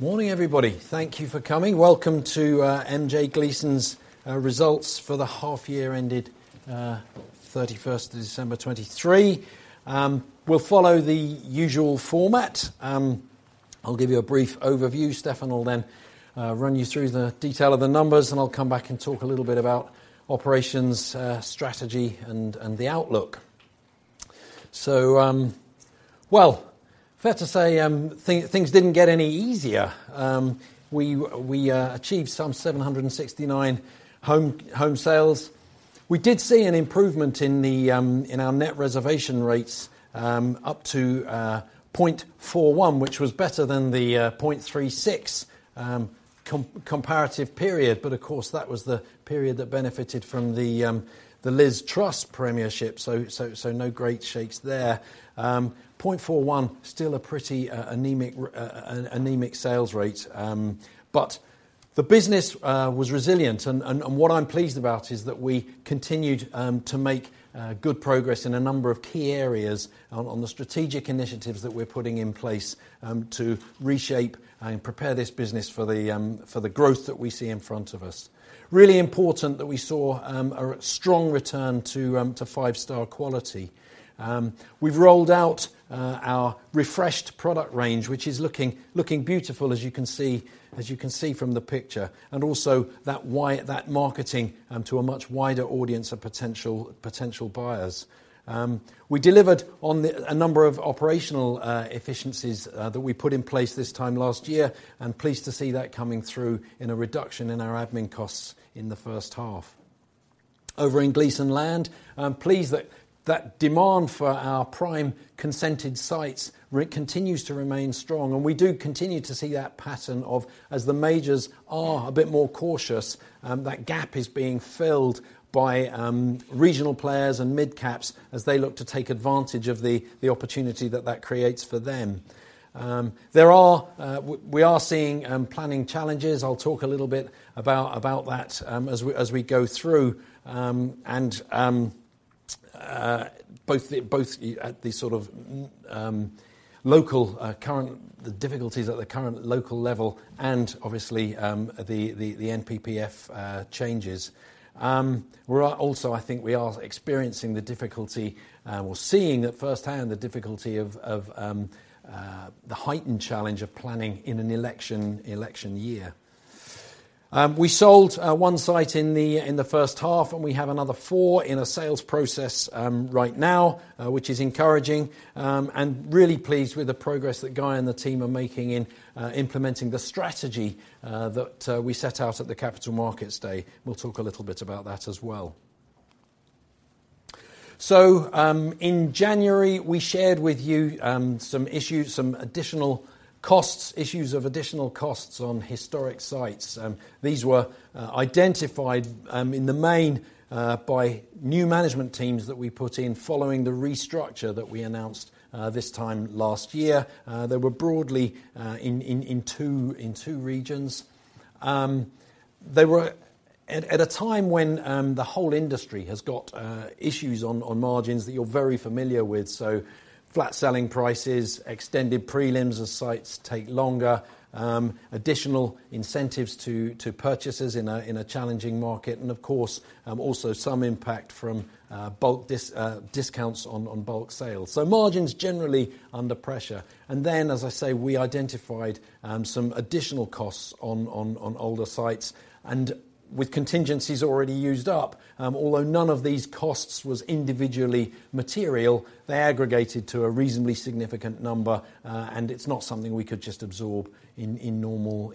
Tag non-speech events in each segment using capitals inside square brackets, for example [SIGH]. Morning, everybody. Thank you for coming. Welcome to MJ Gleeson's results for the half-year ended 31st of December 2023. We'll follow the usual format. I'll give you a brief overview, Stefan will then run you through the detail of the numbers, and I'll come back and talk a little bit about operations, strategy, and the outlook. So, well, fair to say, things didn't get any easier. We achieved some 769 home sales. We did see an improvement in our net reservation rates, up to 0.41, which was better than the 0.36 comparative period. But of course, that was the period that benefited from the Liz Truss's premiership, so no great shakes there. 0.41, still a pretty anemic sales rate. But the business was resilient. What I'm pleased about is that we continued to make good progress in a number of key areas on the strategic initiatives that we're putting in place to reshape and prepare this business for the growth that we see in front of us. Really important that we saw a strong return to five-star quality. We've rolled out our refreshed product range, which is looking beautiful, as you can see from the picture, and also that with that marketing to a much wider audience of potential buyers. We delivered on a number of operational efficiencies that we put in place this time last year, and pleased to see that coming through in a reduction in our admin costs in the first half. Over in Gleeson Land, pleased that demand for our prime consented sites continues to remain strong. And we do continue to see that pattern of, as the majors are a bit more cautious, that gap is being filled by regional players and midcaps as they look to take advantage of the opportunity that creates for them. There are, we are seeing planning challenges. I'll talk a little bit about that as we go through, and both at the sort of local level and the current difficulties at the current local level and obviously the NPPF changes. We're also, I think, experiencing the difficulty; we're seeing it firsthand, the difficulty of the heightened challenge of planning in an election year. We sold one site in the first half, and we have another four in a sales process right now, which is encouraging, and really pleased with the progress that Guy and the team are making in implementing the strategy that we set out at the Capital Markets Day. We'll talk a little bit about that as well. So, in January, we shared with you some issues of additional costs on historic sites. These were identified, in the main, by new management teams that we put in following the restructure that we announced this time last year. They were broadly in two regions. They were at a time when the whole industry has got issues on margins that you're very familiar with, so flat selling prices, extended prelims as sites take longer, additional incentives to purchases in a challenging market, and of course, also some impact from bulk discounts on bulk sales. So margins generally under pressure. And then, as I say, we identified some additional costs on older sites. And with contingencies already used up, although none of these costs was individually material, they aggregated to a reasonably significant number, and it's not something we could just absorb in normal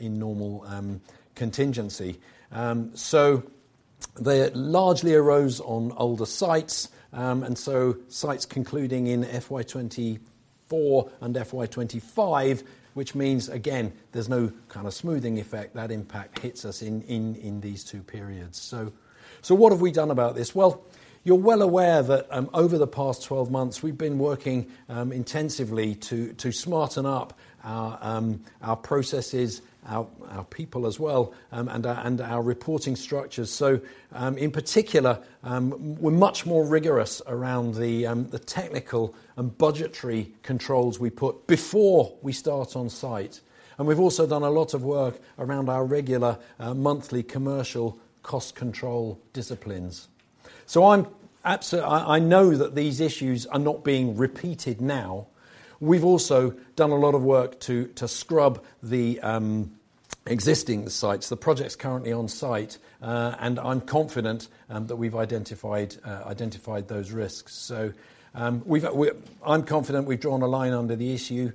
contingency. So they largely arose on older sites, and so sites concluding in FY 2024 and FY 2025, which means, again, there's no kind of smoothing effect. That impact hits us in these two periods. So, what have we done about this? Well, you're well aware that, over the past 12 months, we've been working intensively to smarten up our processes, our people as well, and our reporting structures. So, in particular, we're much more rigorous around the technical and budgetary controls we put before we start on site. And we've also done a lot of work around our regular monthly commercial cost control disciplines. So I absolutely know that these issues are not being repeated now. We've also done a lot of work to scrub the existing sites, the projects currently on site, and I'm confident that we've identified those risks. So, I'm confident we've drawn a line under the issue.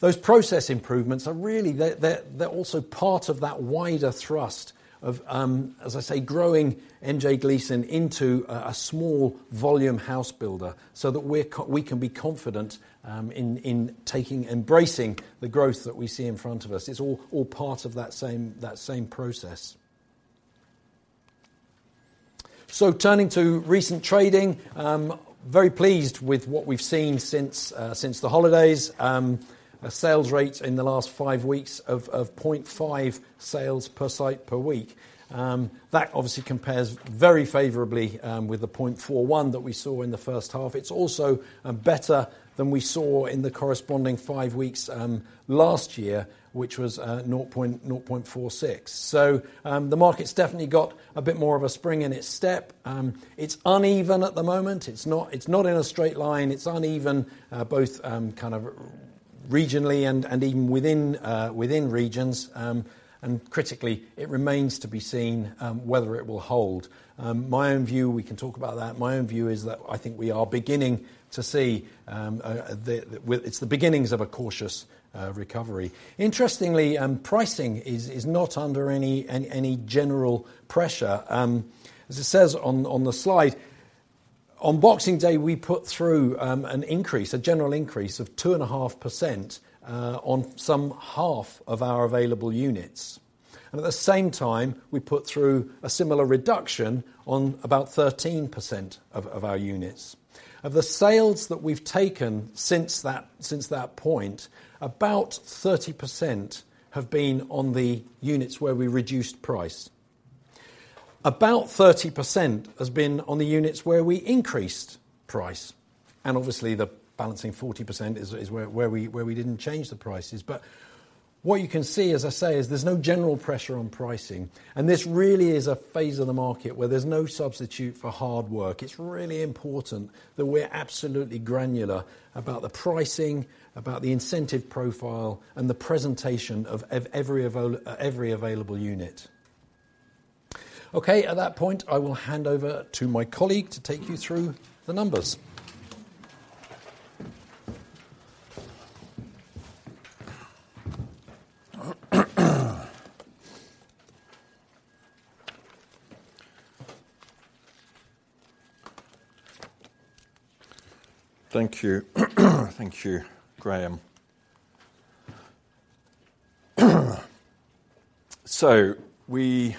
Those process improvements are really they're also part of that wider thrust of, as I say, growing MJ Gleeson into a small volume housebuilder so that we can be confident in taking embracing the growth that we see in front of us. It's all part of that same process. So turning to recent trading, very pleased with what we've seen since the holidays, a sales rate in the last five weeks of 0.5 sales per site per week. That obviously compares very favorably with the 0.41 that we saw in the first half. It's also better than we saw in the corresponding five weeks last year, which was 0.46. So, the market's definitely got a bit more of a spring in its step. It's uneven at the moment. It's not in a straight line. It's uneven, both kind of regionally and even within regions. Critically, it remains to be seen whether it will hold. My own view—we can talk about that. My own view is that I think we are beginning to see the beginnings of a cautious recovery. Interestingly, pricing is not under any general pressure. As it says on the Slide, on Boxing Day, we put through a general increase of 2.5% on some half of our available units. And at the same time, we put through a similar reduction on about 13% of our units. Of the sales that we've taken since that point, about 30% have been on the units where we reduced price. About 30% has been on the units where we increased price. And obviously, the balancing 40% is where we didn't change the prices. But what you can see, as I say, is there's no general pressure on pricing. And this really is a phase of the market where there's no substitute for hard work. It's really important that we're absolutely granular about the pricing, about the incentive profile, and the presentation of every available unit. Okay. At that point, I will hand over to my colleague to take you through the numbers. Thank you. Thank you, Graham. So we,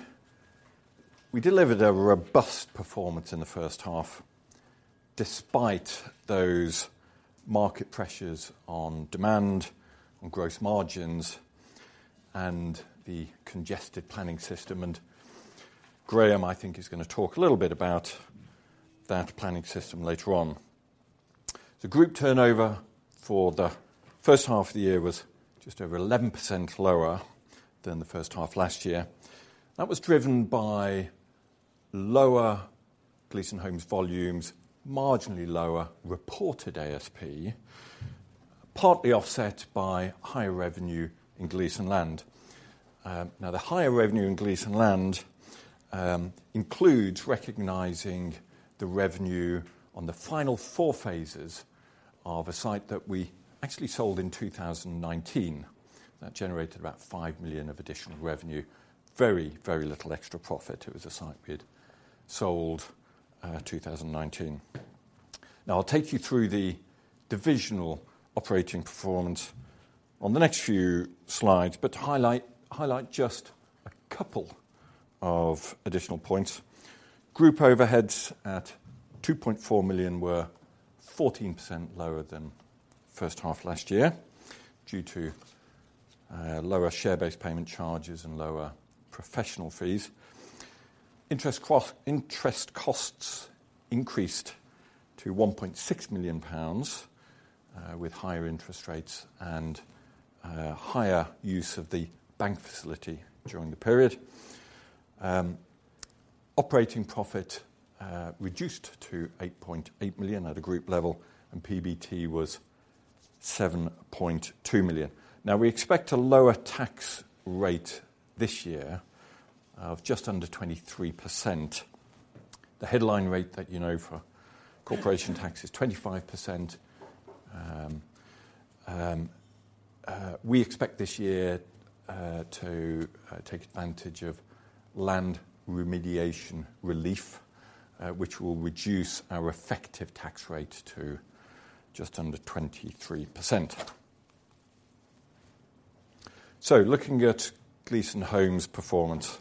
we delivered a robust performance in the first half despite those market pressures on demand, on gross margins, and the congested planning system. And Graham, I think, is going to talk a little bit about that planning system later on. The group turnover for the first half of the year was just over 11% lower than the first half last year. That was driven by lower Gleeson Homes volumes, marginally lower reported ASP, partly offset by higher revenue in Gleeson Land. Now, the higher revenue in Gleeson Land includes recognizing the revenue on the final four phases of a site that we actually sold in 2019. That generated about 5 million of additional revenue, very, very little extra profit. It was a site we had sold, 2019. Now, I'll take you through the divisional operating performance on the next few Slides, but to highlight just a couple of additional points. Group overheads at 2.4 million were 14% lower than first half last year due to lower share-based payment charges and lower professional fees. Interest gross interest costs increased to 1.6 million pounds, with higher interest rates and higher use of the bank facility during the period. Operating profit reduced to 8.8 million at a group level, and PBT was 7.2 million. Now, we expect a lower tax rate this year of just under 23%. The headline rate that you know for corporation tax is 25%. We expect this year to take advantage of Land Remediation Relief, which will reduce our effective tax rate to just under 23%. So looking at Gleeson Homes performance,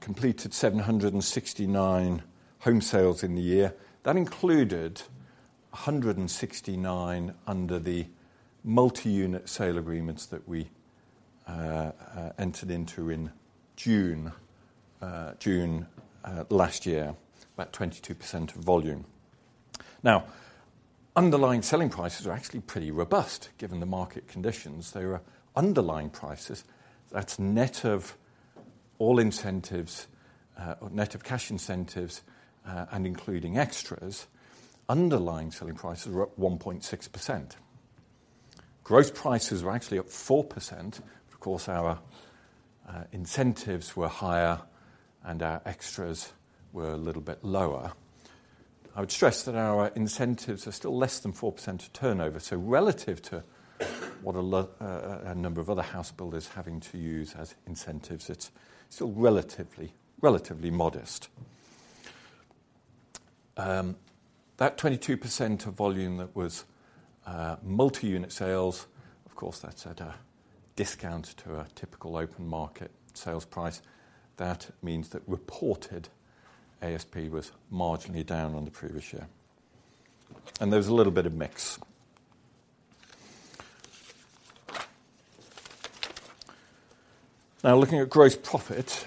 completed 769 home sales in the year. That included 169 under the multi-unit sale agreements that we entered into in June last year, about 22% of volume. Now, underlying selling prices are actually pretty robust given the market conditions. They were underlying prices. That's net of all incentives, or net of cash incentives, and including extras. Underlying selling prices were at 1.6%. Gross prices were actually at 4%. Of course, our incentives were higher and our extras were a little bit lower. I would stress that our incentives are still less than 4% of turnover. So relative to what a lot of other house builders are having to use as incentives, it's still relatively modest. That 22% of volume that was multi-unit sales, of course, that's at a discount to a typical open market sales price. That means that reported ASP was marginally down on the previous year. There was a little bit of mix. Now, looking at gross profit,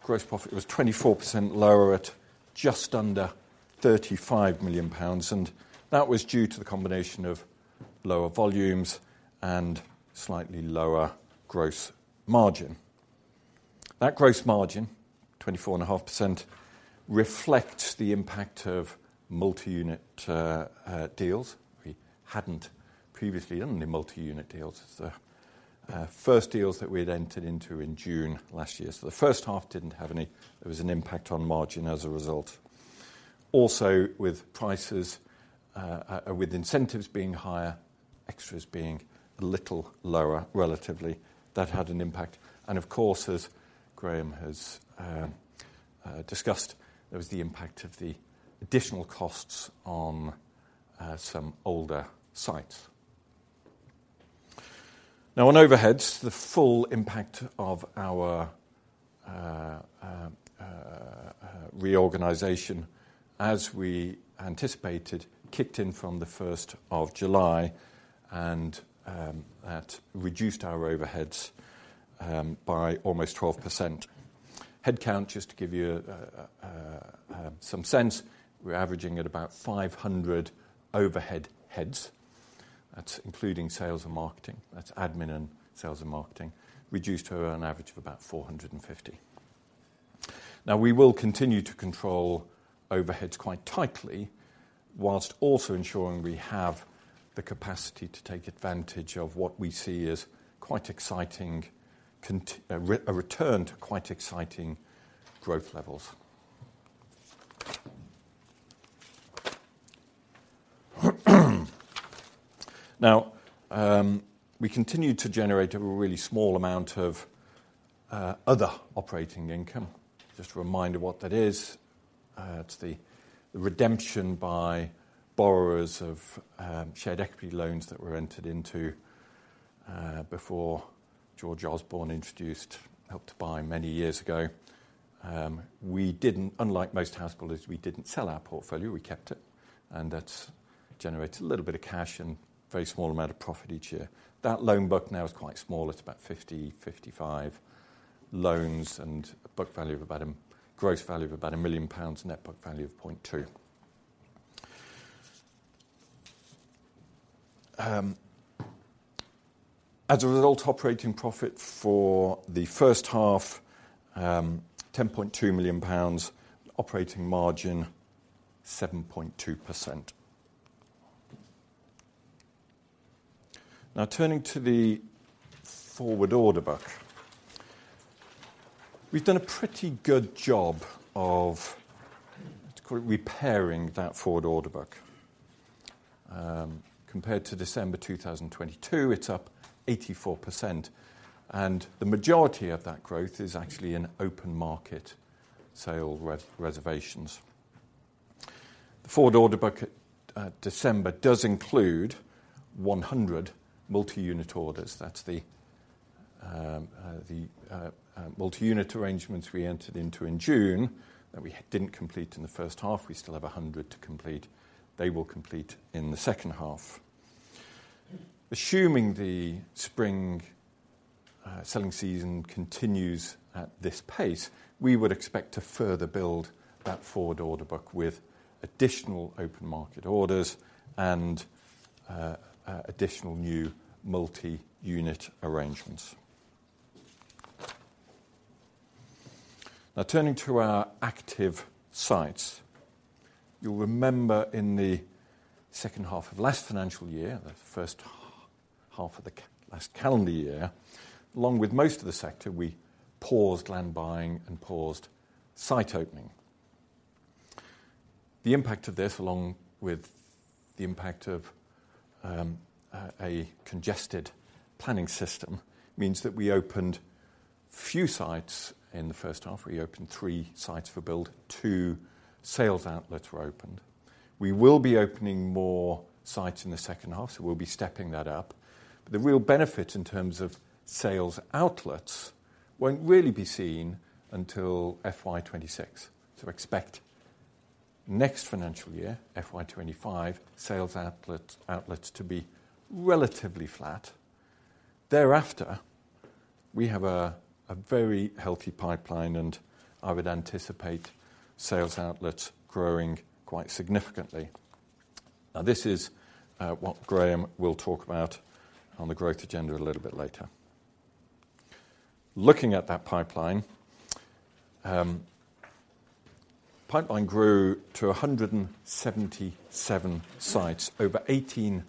gross profit was 24% lower at just under 35 million pounds. That was due to the combination of lower volumes and slightly lower gross margin. That gross margin, 24.5%, reflects the impact of multi-unit deals we hadn't previously done, the multi-unit deals. It's the first deals that we had entered into in June last year. The first half didn't have any. There was an impact on margin as a result. Also, with prices, with incentives being higher, extras being a little lower relatively, that had an impact. Of course, as Graham has discussed, there was the impact of the additional costs on some older sites. Now, on overheads, the full impact of our reorganization, as we anticipated, kicked in from the 1st of July, and that reduced our overheads by almost 12%. Headcount, just to give you some sense, we're averaging at about 500 overhead heads. That's including sales and marketing. That's admin and sales and marketing, reduced to an average of about 450. Now, we will continue to control overheads quite tightly while also ensuring we have the capacity to take advantage of what we see as quite exciting continuing a return to quite exciting growth levels. Now, we continue to generate a really small amount of other operating income. Just a reminder of what that is. It's the redemption by borrowers of shared equity loans that were entered into before George Osborne introduced Help to Buy many years ago. We didn't, unlike most house builders, we didn't sell our portfolio. We kept it. And that's generated a little bit of cash and a very small amount of profit each year. That loan book now is quite small. It's about 50-55 loans and a book value of about a gross value of about 1 million pounds, net book value of 0.2 million. As a result, operating profit for the first half, 10.2 million pounds, operating margin 7.2%. Now, turning to the forward order book, we've done a pretty good job of, let's call it, repairing that forward order book. Compared to December 2022, it's up 84%. The majority of that growth is actually in open market sale re-reservations. The forward order book at December does include 100 multi-unit orders. That's the multi-unit arrangements we entered into in June that we didn't complete in the first half. We still have 100 to complete. They will complete in the second half. Assuming the spring selling season continues at this pace, we would expect to further build that forward order book with additional open market orders and additional new multi-unit arrangements. Now, turning to our active sites. You'll remember in the second half of last financial year, the first half of the calendar year, along with most of the sector, we paused land buying and paused site opening. The impact of this, along with the impact of a congested planning system, means that we opened few sites in the first half. We opened three sites for build. Two sales outlets were opened. We will be opening more sites in the second half. So we'll be stepping that up. But the real benefit in terms of sales outlets won't really be seen until FY 2026. So expect next financial year, FY 2025, sales outlets to be relatively flat. Thereafter, we have a very healthy pipeline and I would anticipate sales outlets growing quite significantly. Now, this is what Graham will talk about on the growth agenda a little bit later. Looking at that pipeline, pipeline grew to 177 sites, over 18,000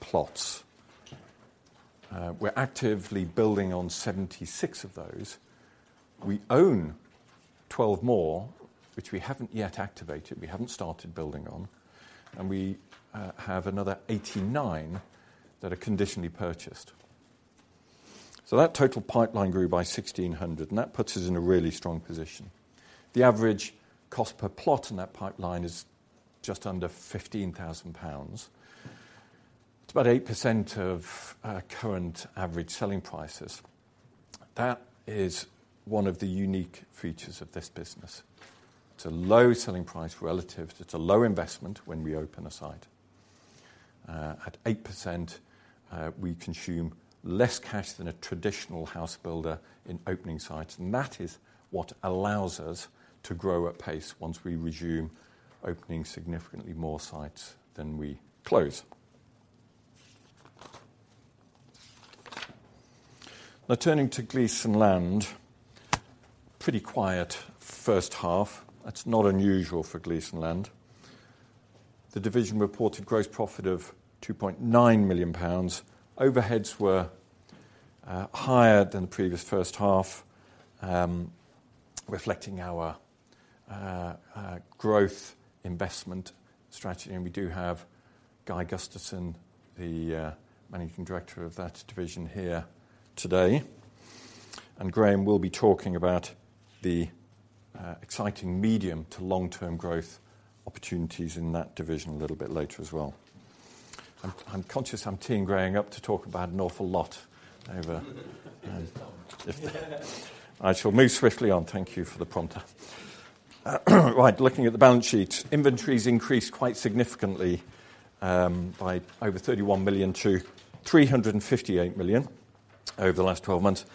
plots. We're actively building on 76 of those. We own 12 more, which we haven't yet activated. We haven't started building on. And we have another 89 that are conditionally purchased. So that total pipeline grew by 1,600. And that puts us in a really strong position. The average cost per plot in that pipeline is just under 15,000 pounds. It's about 8% of current average selling prices. That is one of the unique features of this business. It's a low selling price relative to it's a low investment when we open a site. At 8%, we consume less cash than a traditional house builder in opening sites. And that is what allows us to grow at pace once we resume opening significantly more sites than we close. Now, turning to Gleeson Land, pretty quiet first half. That's not unusual for Gleeson Land. The division reported gross profit of 2.9 million pounds. Overheads were higher than the previous first half, reflecting our growth investment strategy. And we do have Guy Gusterson, the Managing Director of that division here today. And Graham will be talking about the exciting medium to long-term growth opportunities in that division a little bit later as well. I'm conscious I'm tearing Graham up to talk about an awful lot over, if I shall move swiftly on. Thank you for the prompter. Right. Looking at the balance sheet, inventories increased quite significantly, by over 31 million to 358 million over the last 12 months.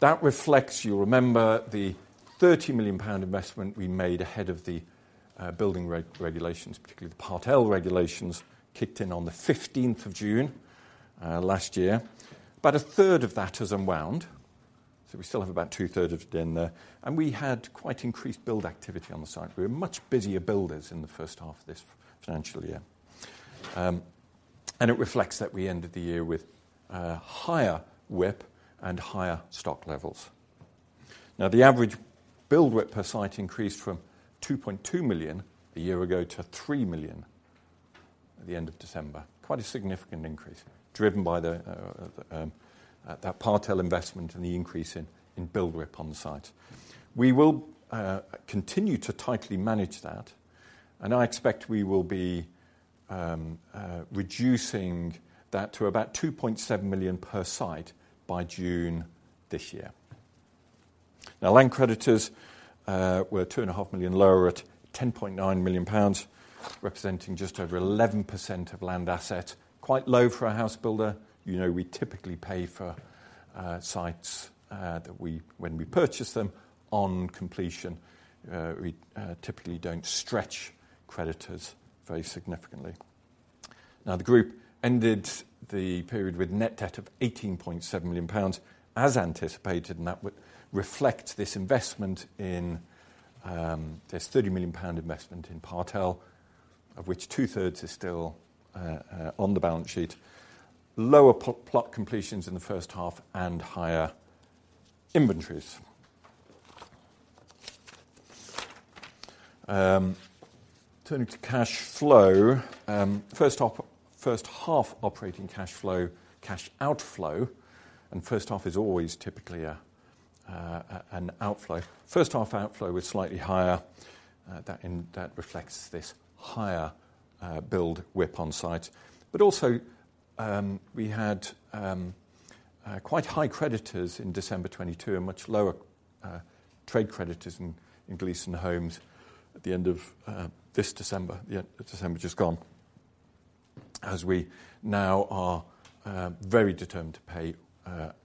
That reflects you'll remember the 30 million pound investment we made ahead of the, building re-regulations, particularly the Part L Regulations, kicked in on the 15th of June, last year. About a third of that has unwound. So we still have about 2/3 of it in there. And we had quite increased build activity on the site. We were much busier builders in the first half of this financial year. And it reflects that we ended the year with, higher WIP and higher stock levels. Now, the average build WIP per site increased from 2.2 million a year ago to 3 million at the end of December. Quite a significant increase driven by the, that Part L investment and the increase in, in build WIP on the site. We will continue to tightly manage that. I expect we will be reducing that to about 2.7 million per site by June this year. Now, land creditors were 2.5 million lower at 10.9 million pounds, representing just over 11% of land asset. Quite low for a house builder. You know we typically pay for sites that we when we purchase them on completion. We typically don't stretch creditors very significantly. Now, the group ended the period with a net debt of 18.7 million pounds as anticipated. That would reflect this investment in. There's 30 million pound investment in Part L, of which 2/3 is still on the balance sheet. Lower plot completions in the first half and higher inventories. Turning to cash flow, first half first half operating cash flow cash outflow. First half is always typically an outflow. First half outflow was slightly higher. That reflects this higher build WIP on site. But also, we had quite high creditors in December 2022 and much lower trade creditors in Gleeson Homes at the end of this December, the end of December just gone, as we now are very determined to pay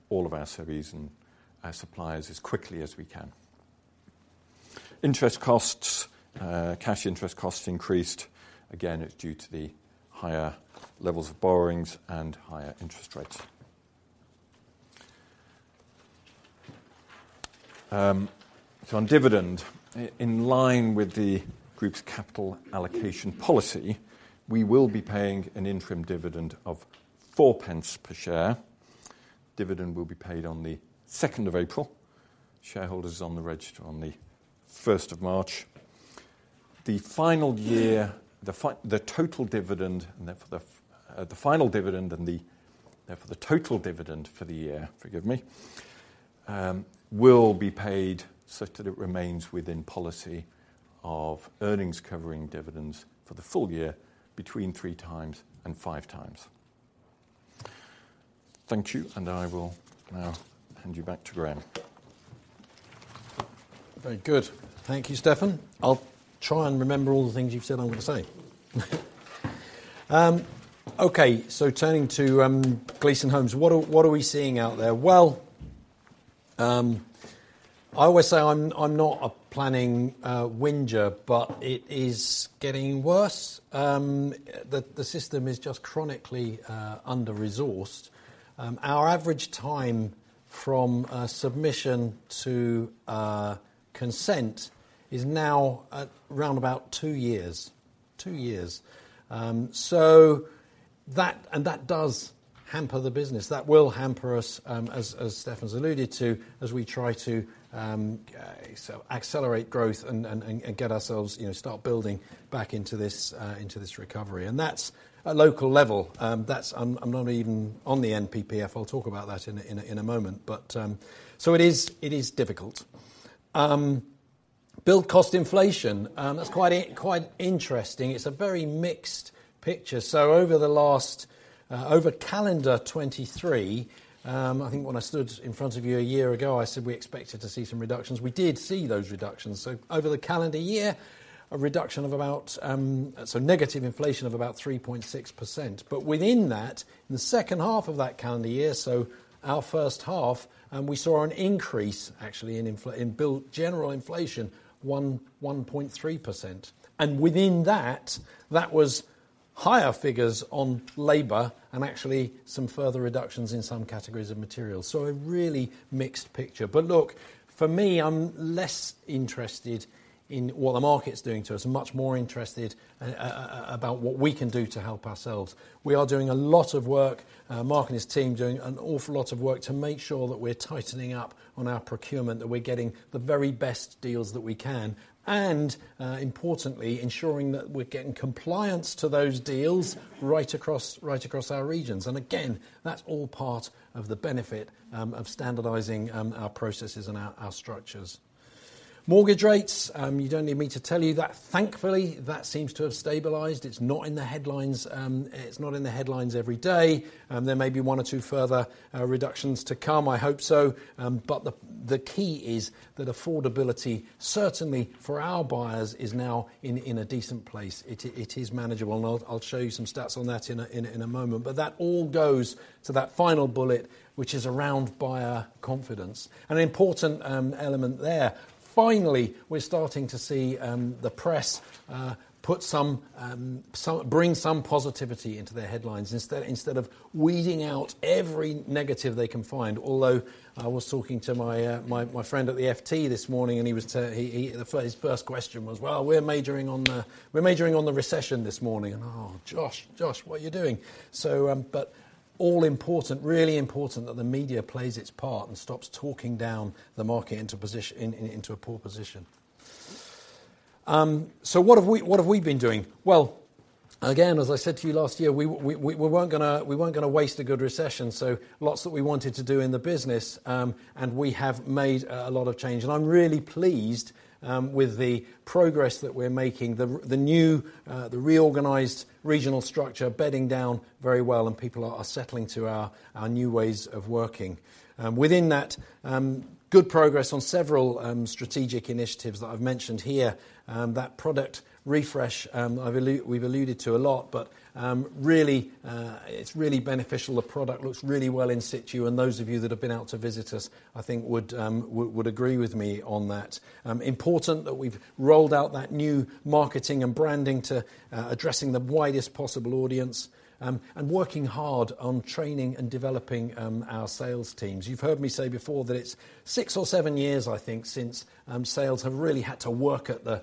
all of our subbies and suppliers as quickly as we can. Interest costs, cash interest costs, increased. Again, it's due to the higher levels of borrowings and higher interest rates. So, on dividend, in line with the group's capital allocation policy, we will be paying an interim dividend of 0.04 per share. Dividend will be paid on the 2nd of April. Shareholders are on the register on the 1st of March. The final dividend and therefore the total dividend for the year, forgive me, will be paid such that it remains within policy of earnings covering dividends for the full year between three times and five times. Thank you. And I will now hand you back to Graham. Very good. Thank you, Stefan. I'll try and remember all the things you've said. I'm going to say. Okay. So turning to Gleeson Homes. What are we seeing out there? Well, I always say I'm not a planning whinger, but it is getting worse. The system is just chronically under-resourced. Our average time from submission to consent is now at round about two years. So that does hamper the business. That will hamper us, as Stefan's alluded to, as we try to accelerate growth and get ourselves, you know, start building back into this recovery. And that's at local level. That's, I'm not even on the NPPF. I'll talk about that in a moment. But so it is difficult. Build cost inflation, that's quite interesting. It's a very mixed picture. So over the last, over calendar 2023, I think when I stood in front of you a year ago, I said we expected to see some reductions. We did see those reductions. So over the calendar year, a reduction of about, so negative inflation of about 3.6%. But within that, in the second half of that calendar year, so our first half, we saw an increase actually in inflation in building general inflation 1.3%. Within that, that was higher figures on labor and actually some further reductions in some categories of materials. A really mixed picture. But look, for me, I'm less interested in what the market's doing to us. I'm much more interested about what we can do to help ourselves. We are doing a lot of work. Mark and his team are doing an awful lot of work to make sure that we're tightening up on our procurement, that we're getting the very best deals that we can, and, importantly, ensuring that we're getting compliance to those deals right across right across our regions. Again, that's all part of the benefit of standardizing our processes and our structures. Mortgage rates, you don't need me to tell you that. Thankfully, that seems to have stabilized. It's not in the headlines, it's not in the headlines every day. There may be one or two further reductions to come. I hope so. But the key is that affordability, certainly for our buyers, is now in a decent place. It is manageable. And I'll show you some stats on that in a moment. But that all goes to that final bullet, which is around buyer confidence. And an important element there. Finally, we're starting to see the press bring some positivity into their headlines instead of weeding out every negative they can find. Although I was talking to my friend at the FT this morning and he, his first question was, "Well, we're majoring on the recession this morning." And, "Oh, Josh, what are you doing?" But all important, really important that the media plays its part and stops talking down the market into a position into a poor position. So what have we been doing? Well, again, as I said to you last year, we weren't going to waste a good recession. So lots that we wanted to do in the business, and we have made a lot of change. And I'm really pleased with the progress that we're making. The new reorganized regional structure bedding down very well and people are settling to our new ways of working. Within that, good progress on several strategic initiatives that I've mentioned here, that product refresh, we've alluded to a lot, but really, it's really beneficial. The product looks really well in situ. And those of you that have been out to visit us, I think would agree with me on that. Important that we've rolled out that new marketing and branding to addressing the widest possible audience, and working hard on training and developing our sales teams. You've heard me say before that it's six or seven years, I think, since sales have really had to work at the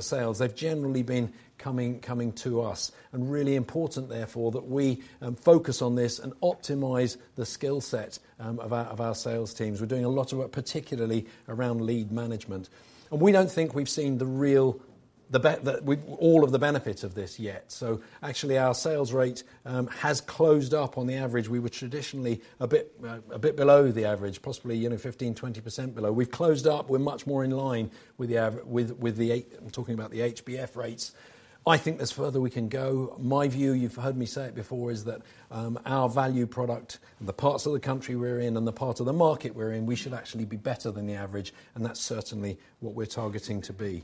sales. They've generally been coming to us. Really important, therefore, that we focus on this and optimize the skill set of our sales teams. We're doing a lot of work, particularly around lead management. We don't think we've seen the real benefit of this yet. So actually, our sales rate has closed up on the average. We were traditionally a bit below the average, possibly, you know, 15%-20% below. We've closed up. We're much more in line with the average I'm talking about the HBF rates. I think there's further we can go. My view, you've heard me say it before, is that our value product and the parts of the country we're in and the part of the market we're in, we should actually be better than the average. That's certainly what we're targeting to be.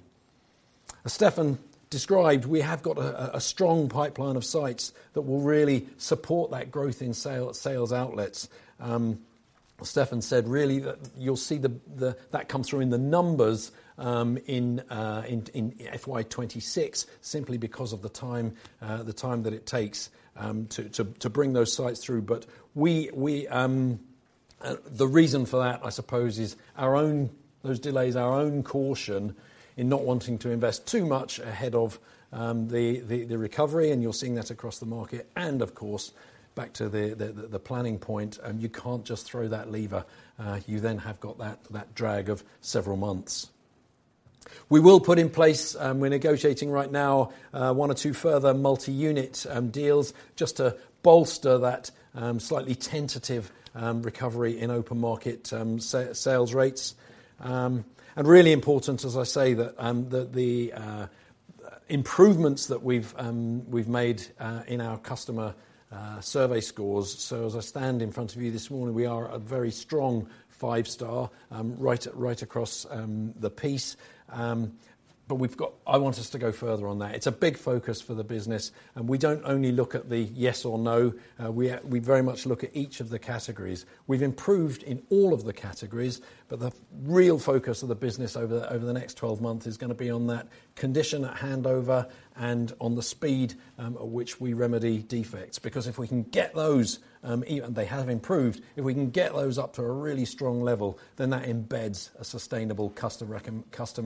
As Stefan described, we have got a strong pipeline of sites that will really support that growth in sales outlets. Stefan said really that you'll see that comes through in the numbers in FY 2026 simply because of the time that it takes to bring those sites through. But the reason for that, I suppose, is our own those delays, our own caution in not wanting to invest too much ahead of the recovery. And you're seeing that across the market. And of course, back to the planning point, you can't just throw that lever. You then have got that drag of several months. We will put in place, we're negotiating right now, one or two further multi-unit deals just to bolster that slightly tentative recovery in open market sales rates. Really important, as I say, that the improvements that we've made in our customer survey scores. So as I stand in front of you this morning, we are a very strong five-star right across the piece. But I want us to go further on that. It's a big focus for the business. And we don't only look at the yes or no. We very much look at each of the categories. We've improved in all of the categories, but the real focus of the business over the next 12 months is going to be on that condition at handover and on the speed at which we remedy defects. Because if we can get those, even they have improved. If we can get those up to a really strong level, then that embeds a sustainable customer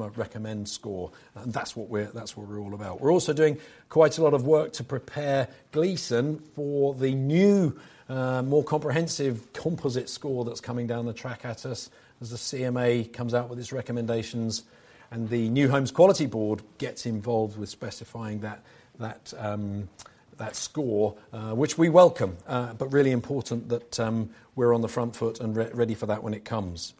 recommend score. That's what we're all about. We're also doing quite a lot of work to prepare Gleeson for the new, more comprehensive composite score that's coming down the track at us as the CMA comes out with its recommendations. The New Homes Quality Board gets involved with specifying that score, which we welcome. But really important that we're on the front foot and ready for that when it comes.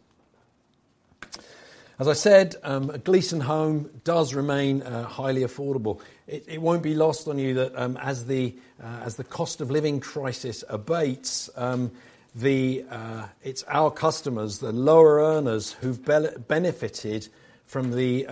As I said, a Gleeson Home does remain highly affordable. It won't be lost on you that, as the cost of living crisis abates, it's our customers, the lower earners, who've benefited from the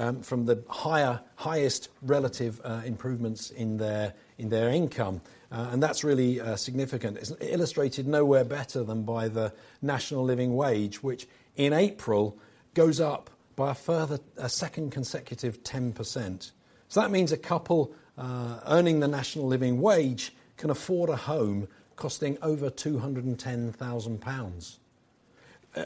highest relative improvements in their income. And that's really significant. It's illustrated nowhere better than by the National Living Wage, which in April goes up by a further, a second consecutive 10%. So that means a couple, earning the National Living Wage can afford a home costing over 210,000 pounds.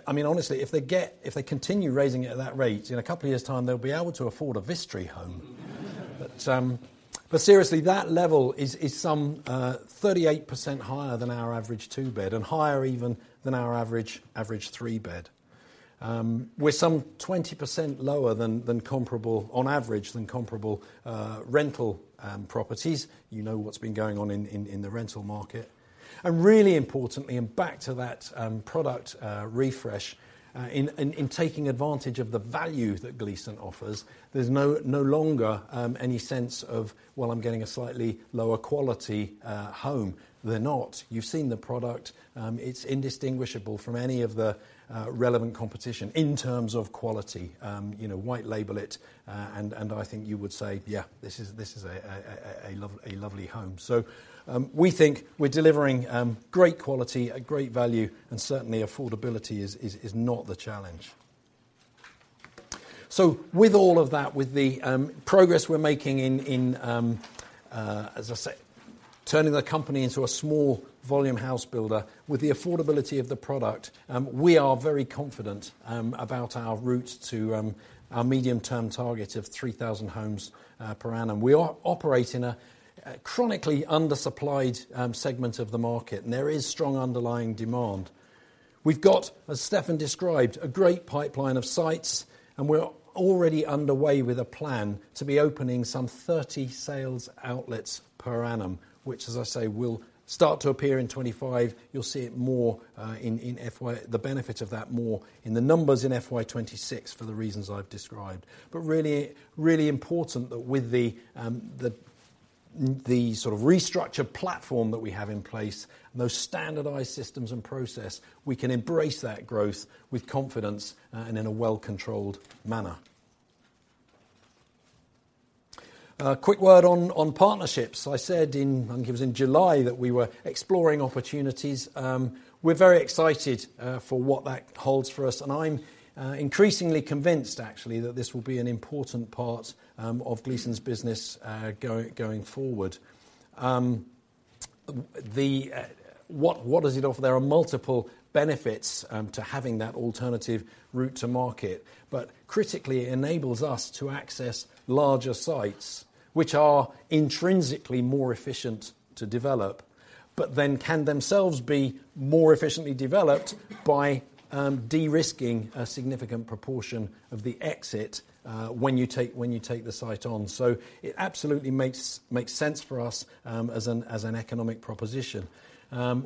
I mean, honestly, if they continue raising it at that rate, in a couple of years' time, they'll be able to afford a Vistry home. But seriously, that level is some 38% higher than our average two-bed and higher even than our average three-bed. We're some 20% lower than comparable on average, rental properties. You know what's been going on in the rental market. And really importantly, and back to that product refresh, in taking advantage of the value that Gleeson offers, there's no longer any sense of, well, I'm getting a slightly lower quality home. They're not. You've seen the product. It's indistinguishable from any of the relevant competition in terms of quality. You know, white label it, and I think you would say, yeah, this is a lovely home. So, we think we're delivering great quality, a great value, and certainly affordability is not the challenge. So with all of that, with the progress we're making in, as I say, turning the company into a small volume house builder, with the affordability of the product, we are very confident about our route to our medium-term target of 3,000 homes per annum. We are operating a chronically undersupplied segment of the market. There is strong underlying demand. We've got, as Stefan described, a great pipeline of sites. And we're already underway with a plan to be opening some 30 sales outlets per annum, which, as I say, will start to appear in 2025. You'll see it more, in, the benefit of that more in the numbers in FY 2026 for the reasons I've described. But really, really important that with the, the sort of restructured platform that we have in place and those standardized systems and process, we can embrace that growth with confidence and in a well-controlled manner. A quick word on partnerships. I said in I think it was in July that we were exploring opportunities. We're very excited for what that holds for us. And I'm increasingly convinced, actually, that this will be an important part of Gleeson's business, going forward. What does it offer? There are multiple benefits to having that alternative route to market. But critically, it enables us to access larger sites, which are intrinsically more efficient to develop, but then can themselves be more efficiently developed by de-risking a significant proportion of the exit, when you take the site on. So it absolutely makes sense for us, as an economic proposition.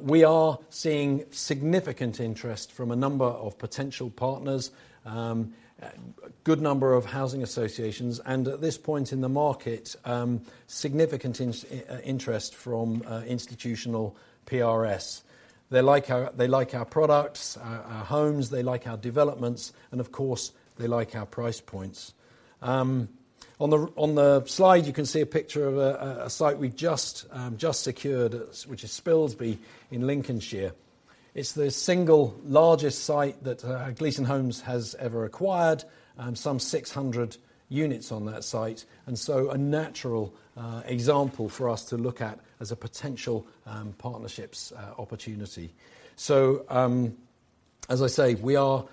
We are seeing significant interest from a number of potential partners, a good number of housing associations. And at this point in the market, significant interest from institutional PRS. They like our products, our homes. They like our developments. And of course, they like our price points. On the Slide, you can see a picture of a site we've just secured, which is Spilsby in Lincolnshire. It's the single largest site that Gleeson Homes has ever acquired, some 600 units on that site. And so a natural example for us to look at as a potential partnerships opportunity. So, as I say, we are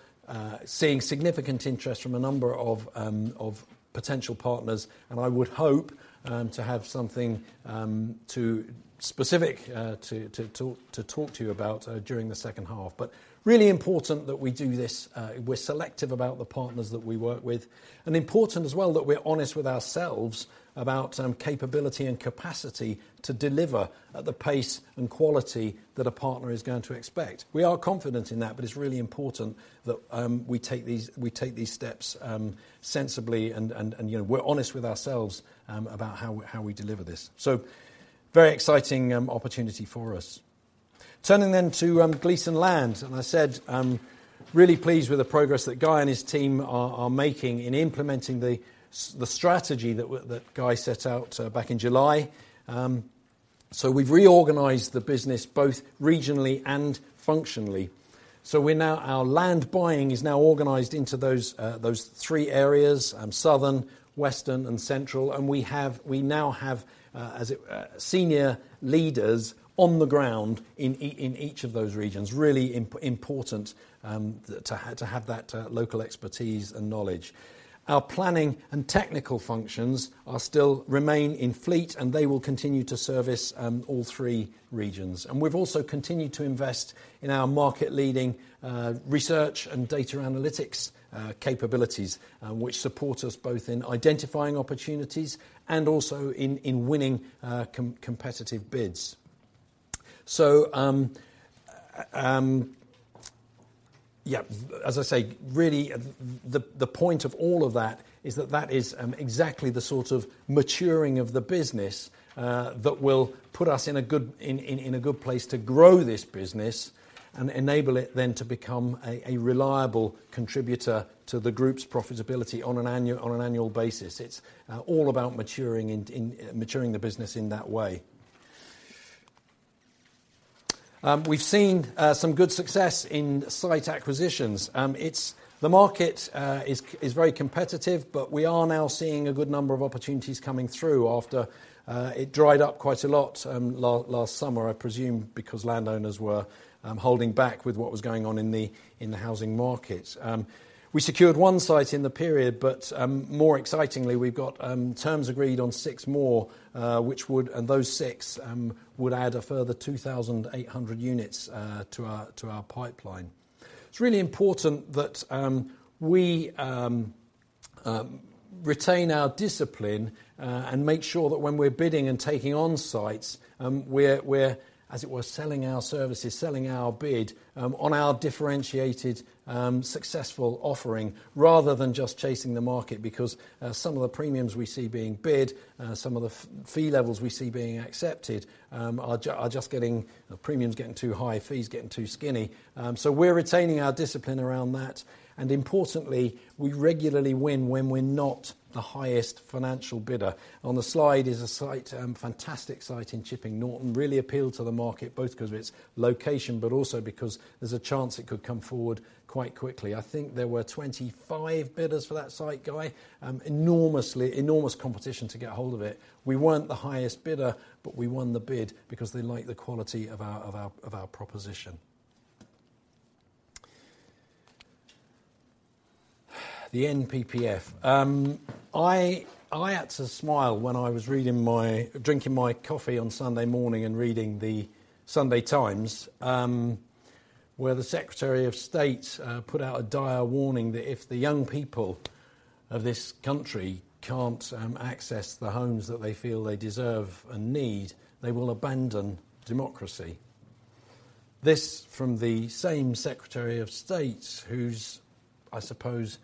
seeing significant interest from a number of potential partners. And I would hope to have something specific to talk to you about during the second half. But really important that we do this, we're selective about the partners that we work with. And important as well that we're honest with ourselves about capability and capacity to deliver at the pace and quality that a partner is going to expect. We are confident in that, but it's really important that we take these steps sensibly, and you know, we're honest with ourselves about how we deliver this. So very exciting opportunity for us. Turning then to Gleeson Land. I said, really pleased with the progress that Guy and his team are making in implementing the strategy that Guy set out, back in July. We've reorganized the business both regionally and functionally. We're now our land buying is now organized into those three areas, southern, western, and central. We now have as senior leaders on the ground in each of those regions. Really important to have that local expertise and knowledge. Our planning and technical functions still remain in Fleet, and they will continue to service all three regions. We've also continued to invest in our market-leading research and data analytics capabilities, which support us both in identifying opportunities and also in winning competitive bids. So, yeah, as I say, really the point of all of that is that that is exactly the sort of maturing of the business that will put us in a good place to grow this business and enable it then to become a reliable contributor to the group's profitability on an annual basis. It's all about maturing the business in that way. We've seen some good success in site acquisitions. It's the market is very competitive, but we are now seeing a good number of opportunities coming through after it dried up quite a lot last summer, I presume, because landowners were holding back with what was going on in the housing market. We secured one site in the period, but, more excitingly, we've got terms agreed on six more, which would, and those six would add a further 2,800 units to our pipeline. It's really important that we retain our discipline, and make sure that when we're bidding and taking on sites, we're, as it were, selling our services, selling our bid on our differentiated, successful offering rather than just chasing the market because some of the premiums we see being bid, some of the fee levels we see being accepted, are just getting the premiums getting too high, fees getting too skinny. So we're retaining our discipline around that. And importantly, we regularly win when we're not the highest financial bidder. On the Slide is a site, fantastic site in Chipping Norton. Really appealed to the market both because of its location but also because there's a chance it could come forward quite quickly. I think there were 25 bidders for that site, Guy. Enormous competition to get hold of it. We weren't the highest bidder, but we won the bid because they liked the quality of our proposition. The NPPF. I had to smile when I was reading, drinking my coffee on Sunday morning and reading the Sunday Times, where the Secretary of State put out a dire warning that if the young people of this country can't access the homes that they feel they deserve and need, they will abandon democracy. This from the same Secretary of State whose, I suppose,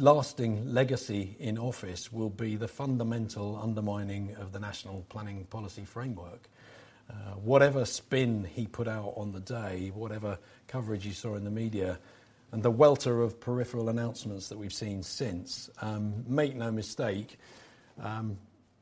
lasting legacy in office will be the fundamental undermining of the National Planning Policy Framework. Whatever spin he put out on the day, whatever coverage you saw in the media, and the welter of peripheral announcements that we've seen since, make no mistake,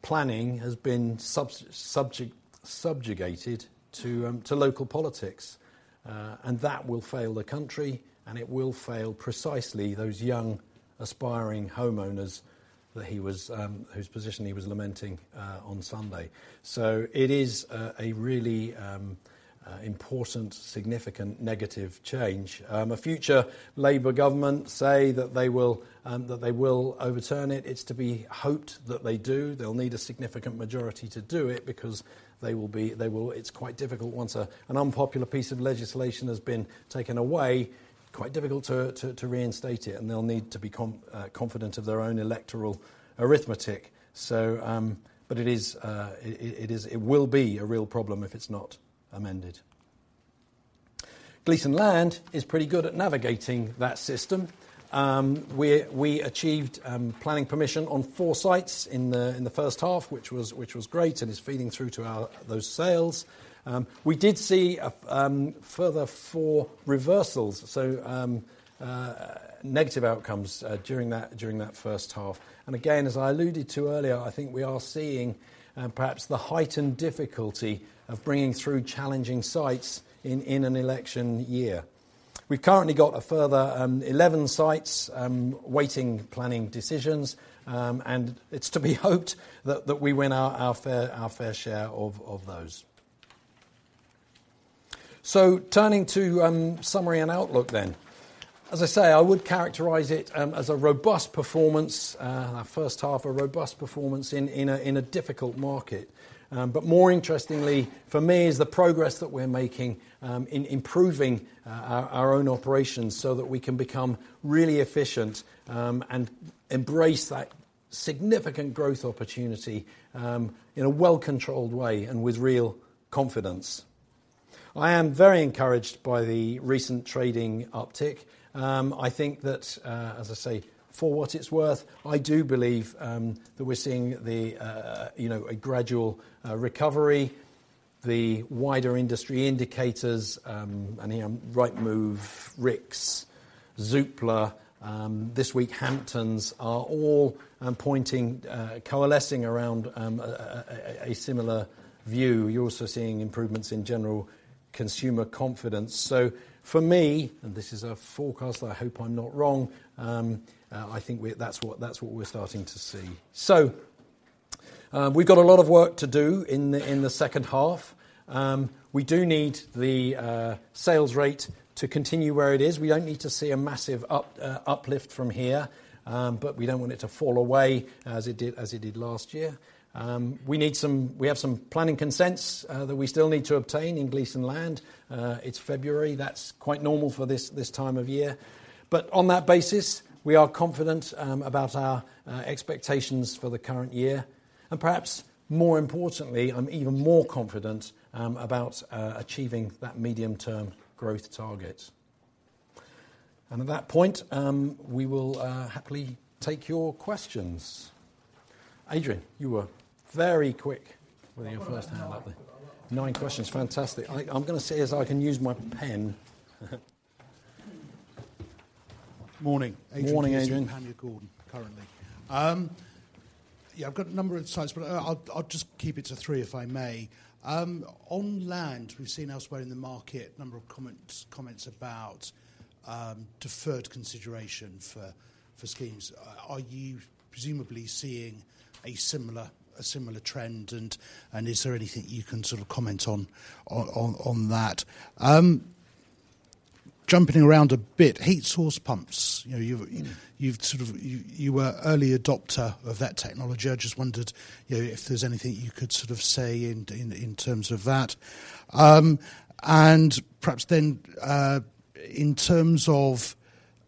planning has been subject subjugated to local politics. That will fail the country, and it will fail precisely those young aspiring homeowners whose position he was lamenting on Sunday. So it is a really important, significant negative change. A future Labour government say that they will overturn it. It's to be hoped that they do. They'll need a significant majority to do it because it will be quite difficult once an unpopular piece of legislation has been taken away, quite difficult to reinstate it. And they'll need to be confident of their own electoral arithmetic. But it is. It will be a real problem if it's not amended. Gleeson Land is pretty good at navigating that system. We achieved planning permission on four sites in the first half, which was great and is feeding through to our sales. We did see further four reversals, so negative outcomes, during that first half. And again, as I alluded to earlier, I think we are seeing perhaps the heightened difficulty of bringing through challenging sites in an election year. We've currently got a further 11 sites waiting planning decisions, and it's to be hoped that we win our fair share of those. So turning to summary and outlook then. As I say, I would characterize it as a robust performance that first half, a robust performance in a difficult market. But more interestingly for me is the progress that we're making in improving our own operations so that we can become really efficient and embrace that significant growth opportunity in a well-controlled way and with real confidence. I am very encouraged by the recent trading uptick. I think that, as I say, for what it's worth, I do believe that we're seeing the, you know, a gradual recovery. The wider industry indicators, and here I'm Rightmove, RICS, Zoopla, this week Hamptons are all pointing, coalescing around a similar view. You're also seeing improvements in general consumer confidence. So for me, and this is a forecast, I hope I'm not wrong, I think that's what that's what we're starting to see. So, we've got a lot of work to do in the second half. We do need the sales rate to continue where it is. We don't need to see a massive uplift from here, but we don't want it to fall away as it did last year. We have some planning consents that we still need to obtain in Gleeson Land. It's February. That's quite normal for this time of year. But on that basis, we are confident about our expectations for the current year. And perhaps more importantly, I'm even more confident about achieving that medium-term growth target. And at that point, we will happily take your questions. Adrian, you were very quick with your first hand up there. Nine questions. Fantastic. I'm going to see if I can use my pen. Morning. Morning, Adrian. I'm Adrian, Panmure Liberum currently. Yeah, I've got a number of sites, but I'll just keep it to three if I may. On Land, we've seen elsewhere in the market a number of comments about deferred consideration for schemes. Are you presumably seeing a similar trend, and is there anything you can sort of comment on that? Jumping around a bit, heat source pumps. You know, you were early adopter of that technology. I just wondered, you know, if there's anything you could sort of say in terms of that. And perhaps then, in terms of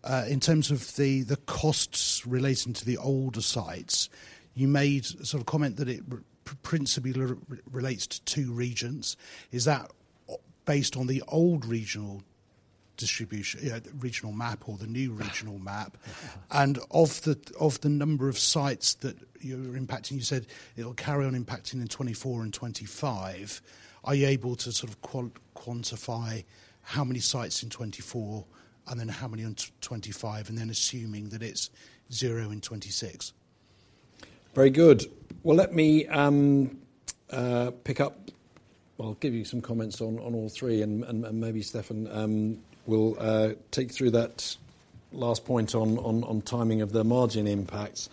the costs relating to the older sites, you made sort of a comment that it principally relates to two regions. Is that based on the old regional distribution, you know, the regional map or the new regional map? And of the number of sites that you're impacting, you said it'll carry on impacting in 2024 and 2025. Are you able to sort of quantify how many sites in 2024 and then how many in 2025, and then assuming that it's zero in 2026? Very good. Well, let me pick up, well, give you some comments on all three, and maybe Stefan will take through that last point on timing of the margin impacts.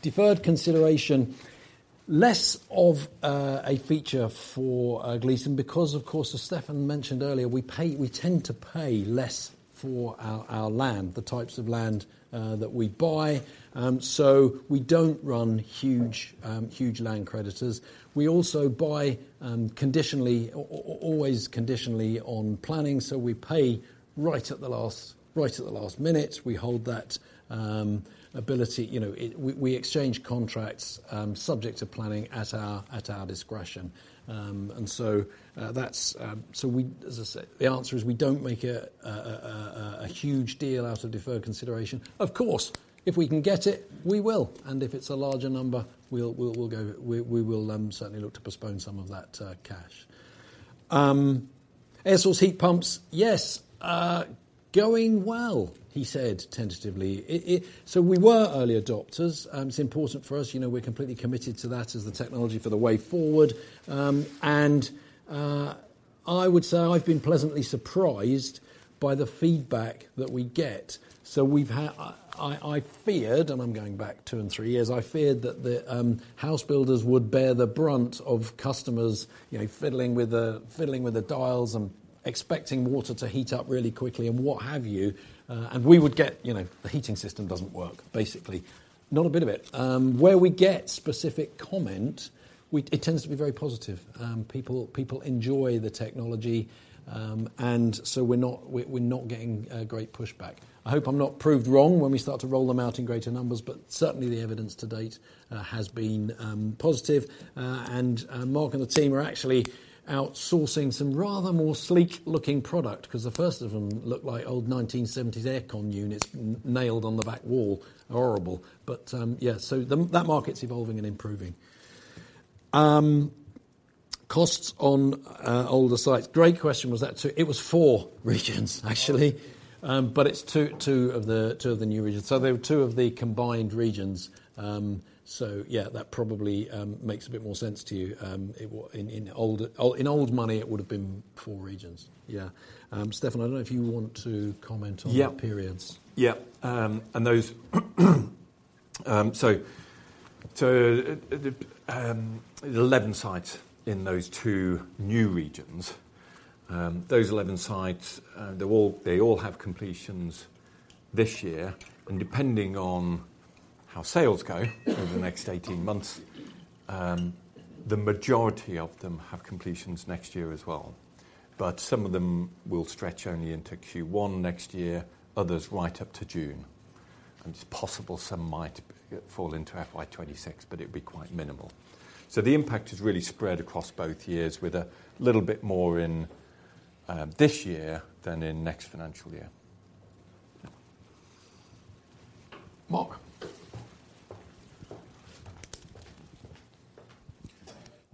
Deferred consideration, less of a feature for Gleeson because, of course, as Stefan mentioned earlier, we tend to pay less for our land, the types of land that we buy. So we don't run huge land creditors. We also buy conditionally always conditionally on planning, so we pay right at the last minute. We hold that ability you know, we exchange contracts, subject to planning at our discretion. And so that's so we as I say the answer is we don't make it a huge deal out of deferred consideration. Of course, if we can get it, we will. And if it's a larger number, we'll go we will certainly look to postpone some of that cash. Air source heat pumps, yes, going well, he said tentatively. So we were early adopters. It's important for us. You know, we're completely committed to that as the technology for the way forward. And I would say I've been pleasantly surprised by the feedback that we get. So we've had. I feared, and I'm going back two and three years. I feared that the house builders would bear the brunt of customers, you know, fiddling with the dials and expecting water to heat up really quickly and what have you. And we would get, you know, the heating system doesn't work, basically. Not a bit of it. Where we get specific comment, it tends to be very positive. People enjoy the technology, and so we're not getting great pushback. I hope I'm not proved wrong when we start to roll them out in greater numbers, but certainly the evidence to date has been positive. And Mark and the team are actually outsourcing some rather more sleek-looking product because the first of them looked like old 1970s aircon units nailed on the back wall. Horrible. But, yeah, so that market's evolving and improving. Costs on older sites. Great question. Was that two? It was four regions, actually. But it's two of the two of the new regions. So there were two of the combined regions. So yeah, that probably makes a bit more sense to you. In old money, it would have been four regions. Yeah. Stefan, I don't know if you want to comment on the periods. Yeah. Yeah. And those, so the 11 sites in those two new regions, those 11 sites, they're all, they all have completions this year. And depending on how sales go over the next 18 months, the majority of them have completions next year as well. But some of them will stretch only into Q1 next year, others right up to June. It's possible some might fall into FY 2026, but it would be quite minimal. The impact is really spread across both years with a little bit more in this year than in next financial year. [AUDIO DISTORTION] Mark.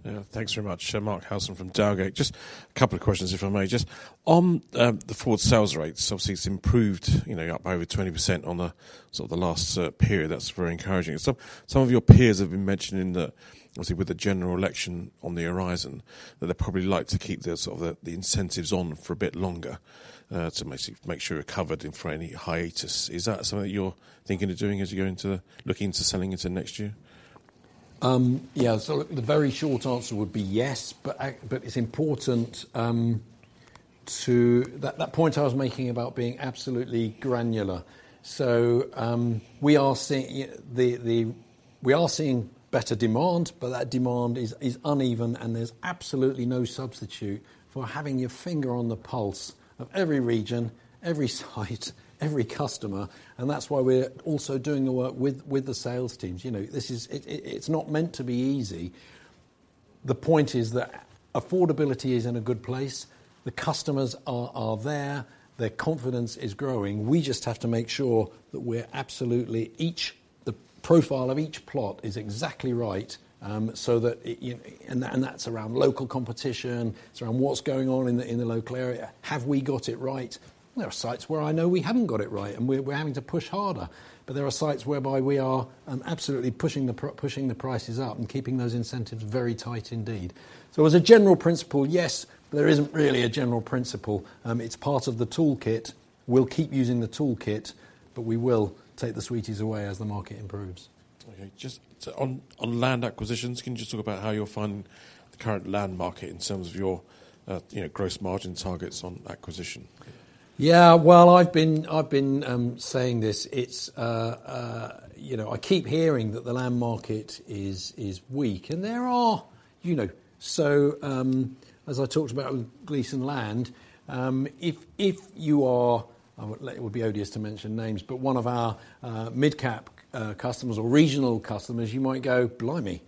Yeah, thanks very much. Mark Howson from Dowgate. Just a couple of questions, if I may. Just on the forward sales rates, obviously it's improved, you know, up over 20% on the sort of the last period. That's very encouraging. Some of your peers have been mentioning that, obviously, with the general election on the horizon, that they'd probably like to keep the sort of incentives on for a bit longer, to basically make sure you're covered for any hiatus. Is that something that you're thinking of doing as you go into the looking into selling into next year? Yeah, so look, the very short answer would be yes, but it's important to that point I was making about being absolutely granular. So, we are seeing better demand, but that demand is uneven and there's absolutely no substitute for having your finger on the pulse of every region, every site, every customer. And that's why we're also doing the work with the sales teams. You know, this is. It's not meant to be easy. The point is that affordability is in a good place. The customers are there. Their confidence is growing. We just have to make sure that the profile of each plot is exactly right, so that, you know, and that's around local competition. It's around what's going on in the local area. Have we got it right? There are sites where I know we haven't got it right and we're having to push harder. But there are sites whereby we are absolutely pushing the prices up and keeping those incentives very tight indeed. So as a general principle, yes, but there isn't really a general principle. It's part of the toolkit. We'll keep using the toolkit, but we will take the sweeties away as the market improves. Okay. Just on land acquisitions, can you just talk about how you're finding the current land market in terms of your, you know, gross margin targets on acquisition? Yeah, well, I've been saying this. It's, you know, I keep hearing that the land market is weak. And there are, you know. So, as I talked about with Gleeson Land, if you are I would it would be odious to mention names, but one of our mid-cap customers or regional customers, you might go, "Blimey,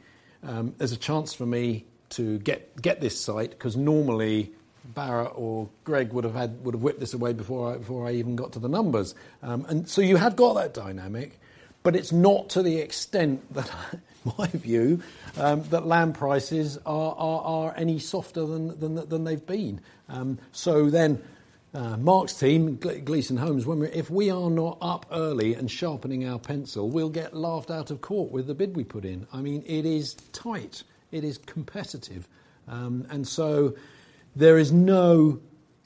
there's a chance for me to get this site because normally Barratt or Greg would have whipped this away before I even got to the numbers." And so you have got that dynamic, but it's not to the extent that, in my view, land prices are any softer than they've been. So then, Mark's team, Gleeson Homes, when we're if we are not up early and sharpening our pencil, we'll get laughed out of court with the bid we put in. I mean, it is tight. It is competitive. And so there is no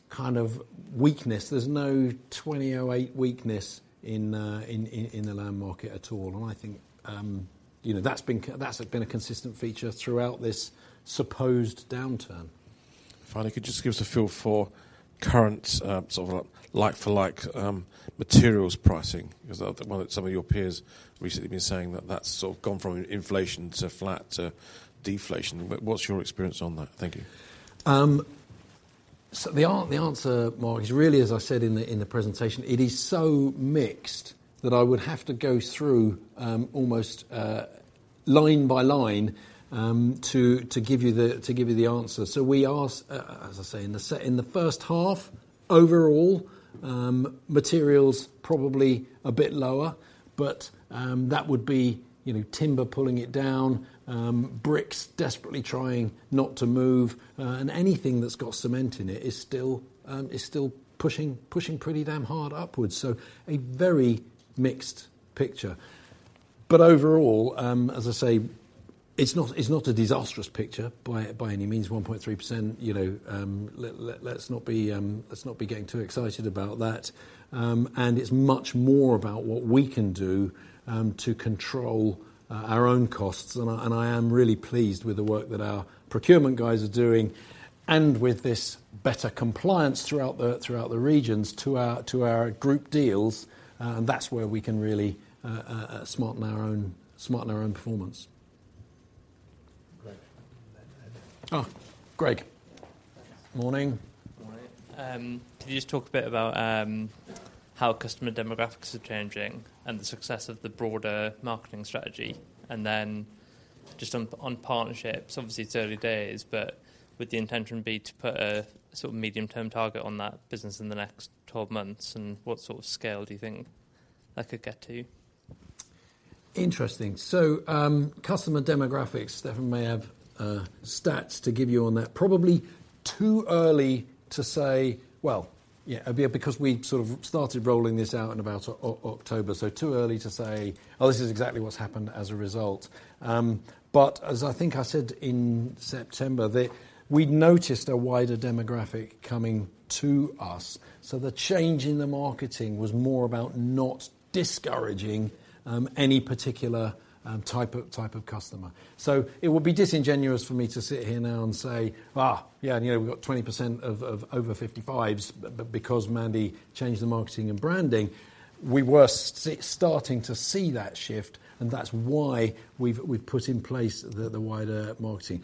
kind of weakness. There's no 2008 weakness in the land market at all. And I think, you know, that's been a consistent feature throughout this supposed downturn. Finally, could you just give us a feel for current, sort of like-for-like, materials pricing? Because I've one of some of your peers recently been saying that that's sort of gone from inflation to flat to deflation. What's your experience on that? Thank you. So the answer, Mark, is really, as I said in the presentation, it is so mixed that I would have to go through, almost, line by line, to give you the answer. So we are, as I say, in the first half, overall, materials probably a bit lower. But that would be, you know, timber pulling it down, bricks desperately trying not to move, and anything that's got cement in it is still pushing pretty damn hard upwards. So a very mixed picture. But overall, as I say, it's not a disastrous picture by any means. 1.3%, you know, let's not be getting too excited about that. It's much more about what we can do to control our own costs. And I am really pleased with the work that our procurement guys are doing and with this better compliance throughout the regions to our group deals. That's where we can really smarten our own performance. Great. Oh, Greg. Morning. Morning. Could you just talk a bit about how customer demographics are changing and the success of the broader marketing strategy? And then just on partnerships, obviously it's early days, but with the intention to put a sort of medium-term target on that business in the next 12 months and what sort of scale do you think that could get to? Interesting. So, customer demographics, Stefan may have stats to give you on that. Probably too early to say, well, yeah, because we sort of started rolling this out in about October. So too early to say, oh, this is exactly what's happened as a result. But as I think I said in September, that we'd noticed a wider demographic coming to us. So the change in the marketing was more about not discouraging any particular type of customer. So it would be disingenuous for me to sit here now and say, yeah, and you know, we've got 20% of over 55s because Mandy changed the marketing and branding. We were starting to see that shift, and that's why we've put in place the wider marketing.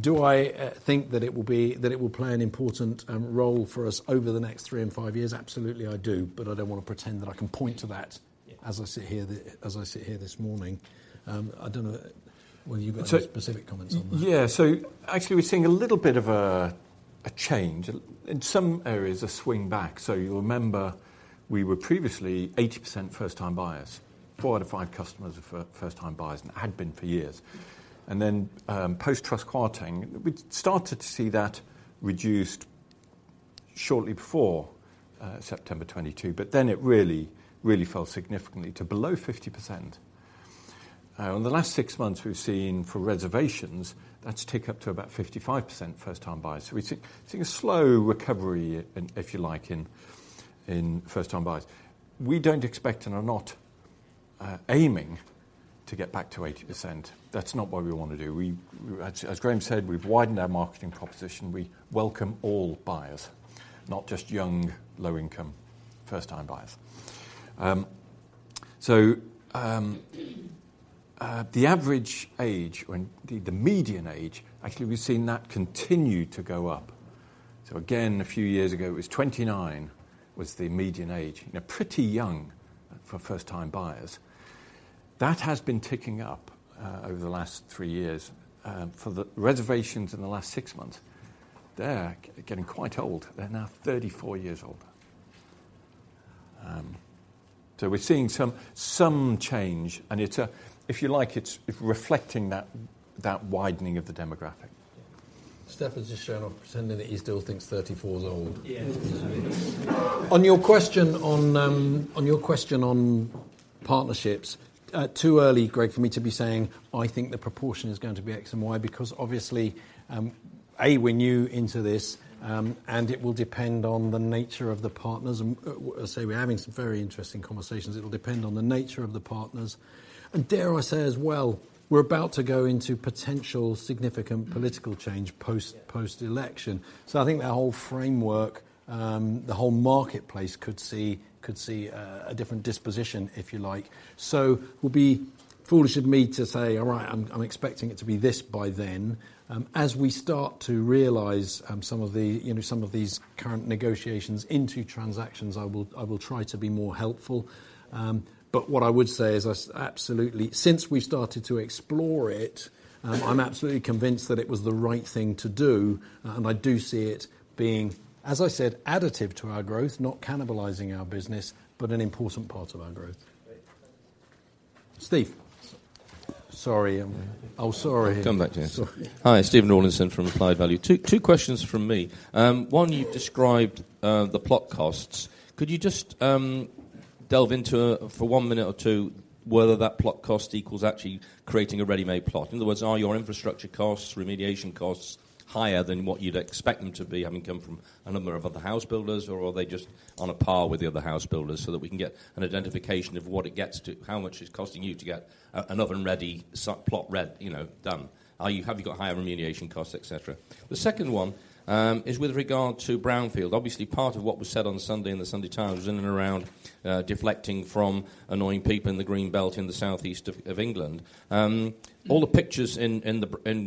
Do I think that it will play an important role for us over the next three and five years? Absolutely, I do. But I don't want to pretend that I can point to that as I sit here this morning. I don't know whether you've got any specific comments on that. Yeah. So actually, we're seeing a little bit of a change. In some areas, a swing back. So you'll remember we were previously 80% first-time buyers. Four out of five customers were first-time buyers and had been for years. And then, post-Truss Kwarteng, we started to see that reduced shortly before September 2022, but then it really really fell significantly to below 50%. In the last six months, we've seen for reservations, that's ticked up to about 55% first-time buyers. So we're seeing a slow recovery, if you like, in first-time buyers. We don't expect and are not aiming to get back to 80%. That's not what we want to do. We, as Graham said, we've widened our marketing proposition. We welcome all buyers, not just young low-income first-time buyers. So, the average age or indeed the median age, actually, we've seen that continue to go up. So again, a few years ago, it was 29 was the median age. You know, pretty young for first-time buyers. That has been ticking up, over the last three years. For the reservations in the last six months, they're getting quite old. They're now 34 years old. So we're seeing some change, and it's a, if you like, it's reflecting that widening of the demographic. Stefan's just shown off pretending that he still thinks 34's old. Yeah. On your question on partnerships, too early, Greg, for me to be saying I think the proportion is going to be X and Y because obviously, A, we're new into this, and it will depend on the nature of the partners. And say we're having some very interesting conversations. It'll depend on the nature of the partners. And dare I say as well, we're about to go into potential significant political change post-election. So I think that whole framework, the whole marketplace could see a different disposition, if you like. So it would be foolish of me to say, all right, I'm I'm expecting it to be this by then. As we start to realize some of the, you know, some of these current negotiations into transactions, I will I will try to be more helpful. But what I would say is I absolutely since we've started to explore it, I'm absolutely convinced that it was the right thing to do, and I do see it being, as I said, additive to our growth, not cannibalizing our business, but an important part of our growth. Steve. Sorry. I'm sorry. Come back to you. Hi. Steve Rawlinson from Applied Value. Two two questions from me. One, you've described the plot costs. Could you just delve into a for one minute or two whether that plot cost equals actually creating a ready-made plot? In other words, are your infrastructure costs, remediation costs higher than what you'd expect them to be having come from a number of other house builders, or are they just on a par with the other house builders so that we can get an identification of what it gets to how much it's costing you to get an oven-ready plot ready, you know, done? Have you got higher remediation costs, etc.? The second one is with regard to brownfield. Obviously, part of what was said on Sunday in the Sunday Times was in and around deflecting from annoying people in the Green Belt in the southeast of England. All the pictures in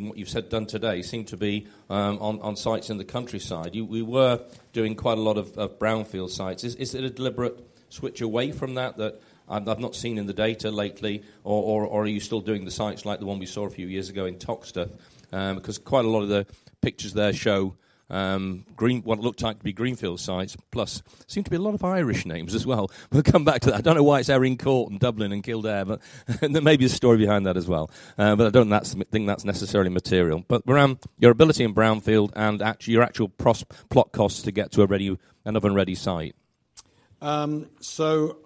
what you've said and done today seem to be on sites in the countryside. We were doing quite a lot of brownfield sites. Is it a deliberate switch away from that I've not seen in the data lately, or are you still doing the sites like the one we saw a few years ago in Toxteth? Because quite a lot of the pictures there show green, what looked like to be greenfield sites, plus seem to be a lot of Irish names as well. We'll come back to that. I don't know why it's Erin Court in Dublin and Kildare, but there may be a story behind that as well. But I don't think that's necessarily material. But around your ability in brownfield and actually your actual pros plot costs to get to a ready, oven-ready site. So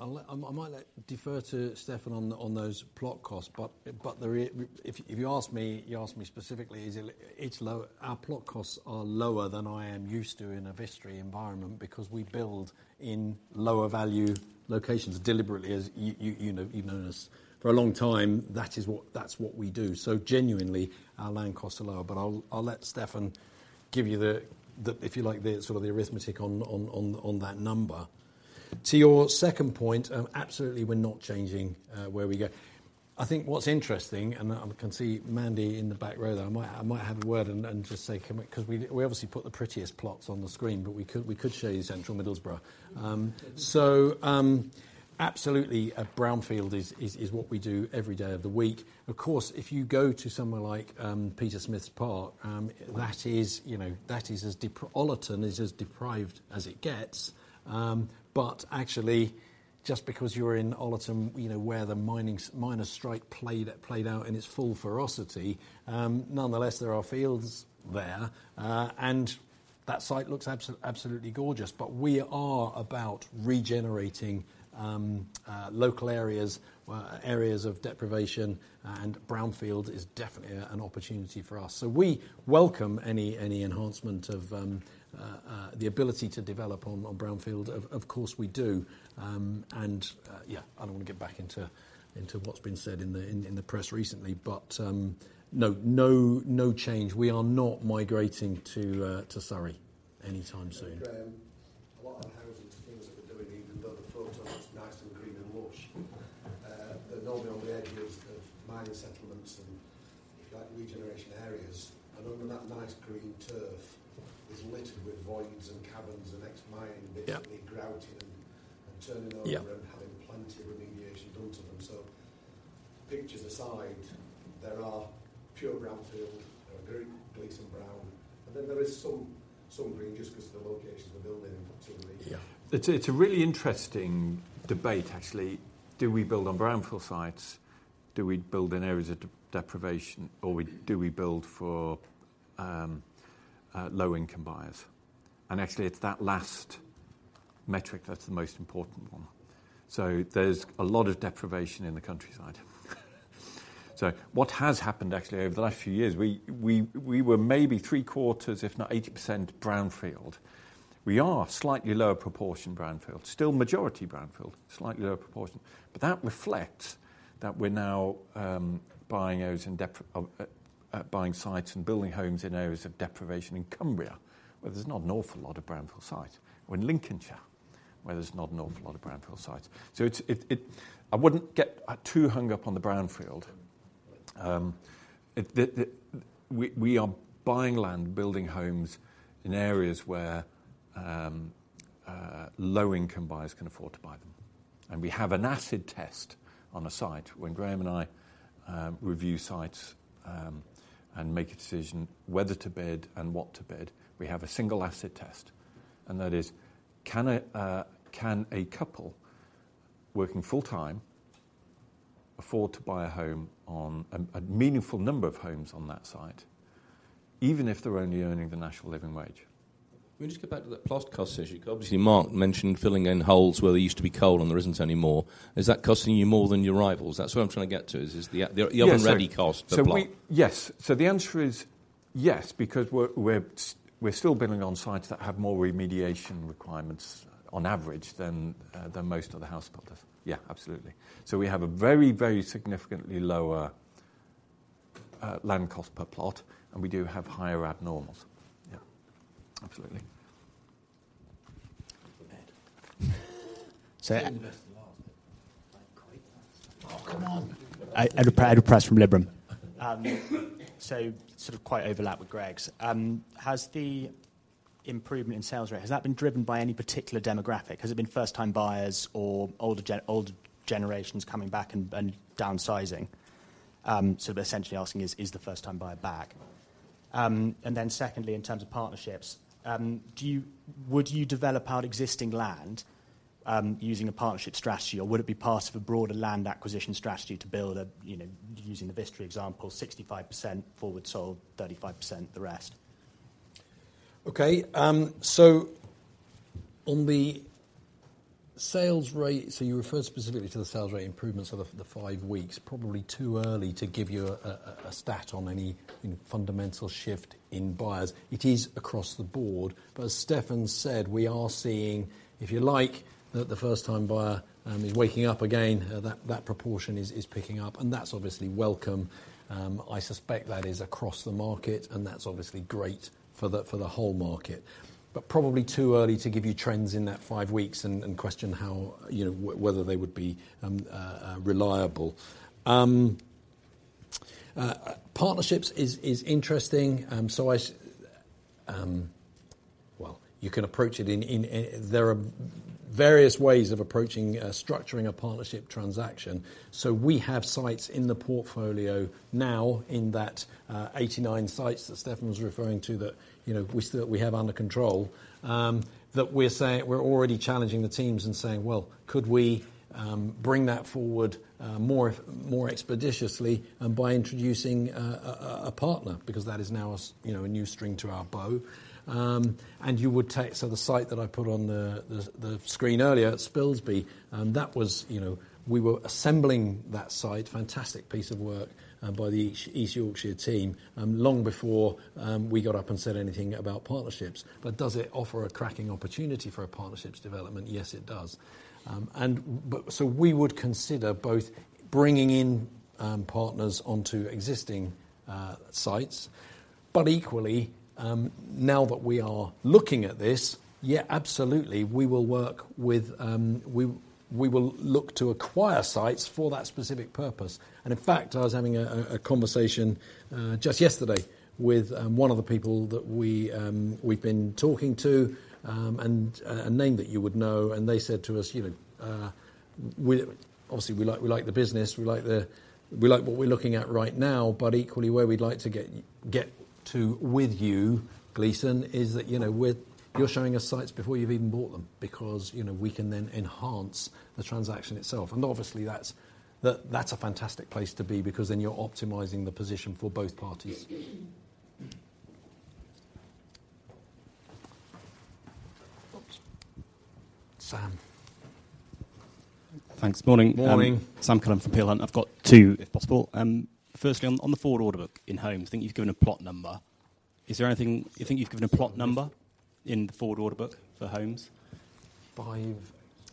I'll defer to Stefan on those plot costs, but if you ask me specifically, is it low? Our plot costs are lower than I am used to in a Vistry environment because we build in lower-value locations deliberately, as you know, you've known us for a long time. That is what we do. So genuinely, our land costs are lower. But I'll let Stefan give you that, if you like, the sort of arithmetic on that number. To your second point, absolutely, we're not changing where we go. I think what's interesting, and I can see Mandy in the back row there, I might have a word and just say come because we obviously put the prettiest plots on the screen, but we could show you Central Middlesbrough. So, absolutely, brownfield is what we do every day of the week. Of course, if you go to somewhere like Petersmiths Park, that is, you know, that is as Ollerton is as deprived as it gets. But actually, just because you're in Ollerton, you know, where the miners' strike played out in its full ferocity, nonetheless, there are fields there, and that site looks absolutely gorgeous. But we are about regenerating local areas, areas of deprivation, and brownfield is definitely an opportunity for us. So we welcome any enhancement of the ability to develop on brownfield. Of course, we do. Yeah, I don't want to get back into what's been said in the press recently, but no change. We are not migrating to Surrey anytime soon. Graham, a lot of the housing things that they're doing, even though the footage looks nice and green and lush, they're normally on the edges of mining settlements and, if you like, regeneration areas. And under that nice green turf is littered with voids and caverns and ex-mining bits that they're grouting and turning over and having plenty of remediation done to them. So pictures aside, there are pure brownfield. There are Gleeson Brown. And then there is some green just because of the locations we're building in particularly. Yeah. It's a really interesting debate, actually. Do we build on brownfield sites? Do we build in areas of deprivation, or do we build for low-income buyers? And actually, it's that last metric that's the most important one. So there's a lot of deprivation in the countryside. So what has happened, actually, over the last few years, we were maybe 75%, if not 80%, brownfield. We are slightly lower proportion brownfield. Still majority brownfield. Slightly lower proportion. But that reflects that we're now buying sites and building homes in areas of deprivation in Cumbria, where there's not an awful lot of brownfield sites, or in Lincolnshire, where there's not an awful lot of brownfield sites. So it, I wouldn't get too hung up on the brownfield. We are buying land, building homes in areas where low-income buyers can afford to buy them. And we have an acid test on a site. When Graham and I review sites and make a decision whether to bid and what to bid, we have a single acid test. And that is, can a couple working full-time afford to buy a home on a meaningful number of homes on that site, even if they're only earning the National Living Wage? Can we just get back to that plot cost issue? Obviously, Mark mentioned filling in holes where there used to be coal and there isn't anymore. Is that costing you more than your rivals? That's where I'm trying to get to, is the oven-ready cost of plots. So yes. So the answer is yes because we're still building on sites that have more remediation requirements on average than most other house builders. Yeah, absolutely. So we have a very, very significantly lower land cost per plot, and we do have higher abnormals. Yeah, absolutely. [AUDIO DISTORTION] So sort of quite overlapped with Greg's. Has the improvement in sales rate has that been driven by any particular demographic? Has it been first-time buyers or older older generations coming back and downsizing? Sort of essentially asking, is is the first-time buyer back? And then secondly, in terms of partnerships, do you would you develop out existing land, using a partnership strategy, or would it be part of a broader land acquisition strategy to build a, you know, using the Vistry example, 65% forward sold, 35% the rest? Okay. So on the sales rate so you refer specifically to the sales rate improvements over the five weeks. Probably too early to give you a stat on any, you know, fundamental shift in buyers. It is across the board. But as Stefan said, we are seeing, if you like, that the first-time buyer is waking up again. That proportion is picking up, and that's obviously welcome. I suspect that is across the market, and that's obviously great for the whole market. But probably too early to give you trends in that five weeks and question how, you know, whether they would be reliable. Partnerships is interesting. So, well, you can approach it in that there are various ways of approaching structuring a partnership transaction. So we have sites in the portfolio now in that 89 sites that Stefan was referring to that, you know, we that we have under control, that we're saying we're already challenging the teams and saying, well, could we bring that forward more expeditiously by introducing a partner because that is now a, you know, a new string to our bow. And you would take so the site that I put on the screen earlier, Spilsby, that was, you know, we were assembling that site. Fantastic piece of work by the East Yorkshire team, long before we got up and said anything about partnerships. But does it offer a cracking opportunity for a partnership's development? Yes, it does. And but so we would consider both bringing in partners onto existing sites. But equally, now that we are looking at this, yeah, absolutely, we will work with; we will look to acquire sites for that specific purpose. And in fact, I was having a conversation, just yesterday with one of the people that we've been talking to, and a name that you would know, and they said to us, you know, we obviously like the business. We like what we're looking at right now. But equally, where we'd like to get to with you, Gleeson, is that, you know, you're showing us sites before you've even bought them because, you know, we can then enhance the transaction itself. And obviously, that's a fantastic place to be because then you're optimizing the position for both parties. Oops. Sam. Thanks. Morning. Morning. Sam Cullen for Peel Hunt. I've got two, if possible. Firstly, on the forward order book in homes, I think you've given a plot number. Is there anything you think you've given a plot number in the forward order book for homes?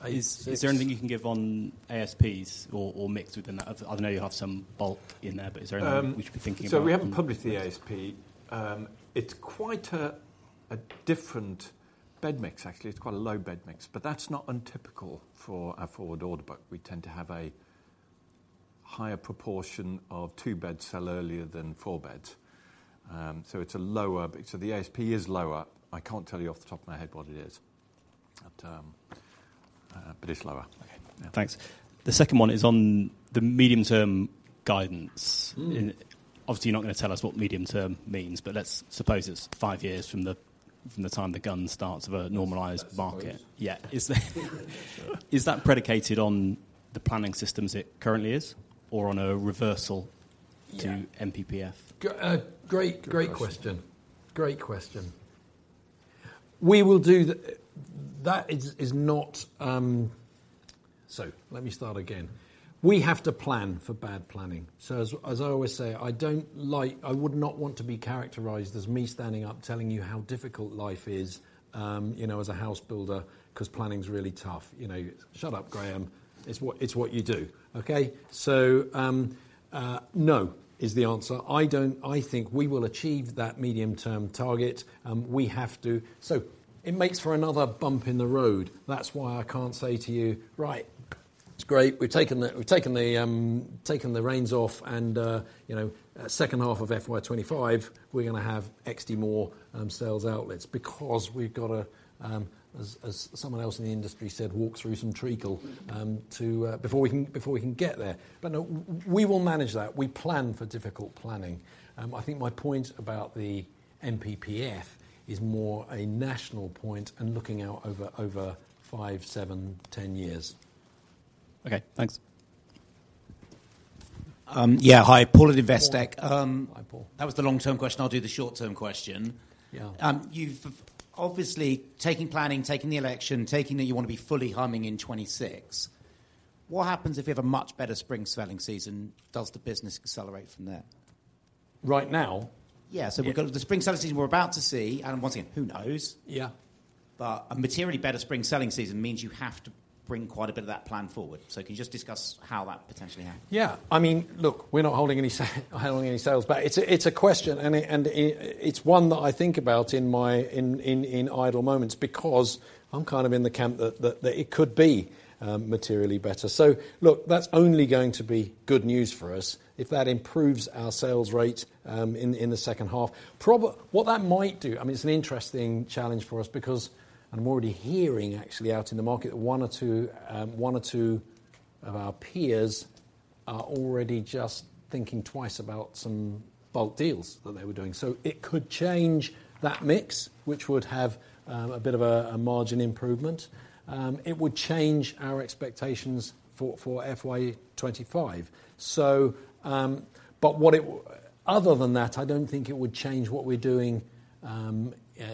Is there anything you can give on ASPs or mix within that? I know you have some bulk in there, but is there anything we should be thinking about? So we haven't published the ASP. It's quite a different bed mix, actually. It's quite a low bed mix. But that's not untypical for our forward order book. We tend to have a higher proportion of two-beds sell earlier than four-beds, so it's a lower ASP. I can't tell you off the top of my head what it is. But it's lower. Okay. Thanks. The second one is on the medium-term guidance. Obviously, you're not going to tell us what medium-term means, but let's suppose it's five years from the time the fun starts of a normalized market. Yeah. Is that predicated on the planning system as it currently is or on a reversal to NPPF? Great question. We will. That is not, so let me start again. We have to plan for bad planning. So as I always say, I don't like. I would not want to be characterized as me standing up telling you how difficult life is, you know, as a house builder because planning's really tough. You know, shut up, Graham. It's what you do, okay? So, no is the answer. I don't think we will achieve that medium-term target. We have to so it makes for another bump in the road. That's why I can't say to you, right, it's great. We've taken the reins off and, you know, second half of FY 2025, we're going to have XD more sales outlets because we've got to, as someone else in the industry said, walk through some treacle, before we can get there. But no, we will manage that. We plan for difficult planning. I think my point about the NPPF is more a national point and looking out over five, seven, 10 years. Okay. Thanks. Yeah. Hi. Paul at Investec. That was the long-term question. I'll do the short-term question. Yeah. You've obviously taken planning, taking the election, taking that you want to be fully humming in 2026. What happens if you have a much better spring selling season? Does the business accelerate from there? Right now? Yeah. So we've got the spring selling season we're about to see. And once again, who knows? Yeah. But a materially better spring selling season means you have to bring quite a bit of that plan forward. So can you just discuss how that potentially happens? Yeah. I mean, look, we're not holding any sales. But it's a question. And it's one that I think about in my idle moments because I'm kind of in the camp that it could be materially better. So look, that's only going to be good news for us if that improves our sales rate in the second half. Probably what that might do, I mean, it's an interesting challenge for us because, and I'm already hearing, actually, out in the market that one or two of our peers are already just thinking twice about some bulk deals that they were doing. So it could change that mix, which would have a bit of a margin improvement. It would change our expectations for FY 2025. So, but other than that, I don't think it would change what we're doing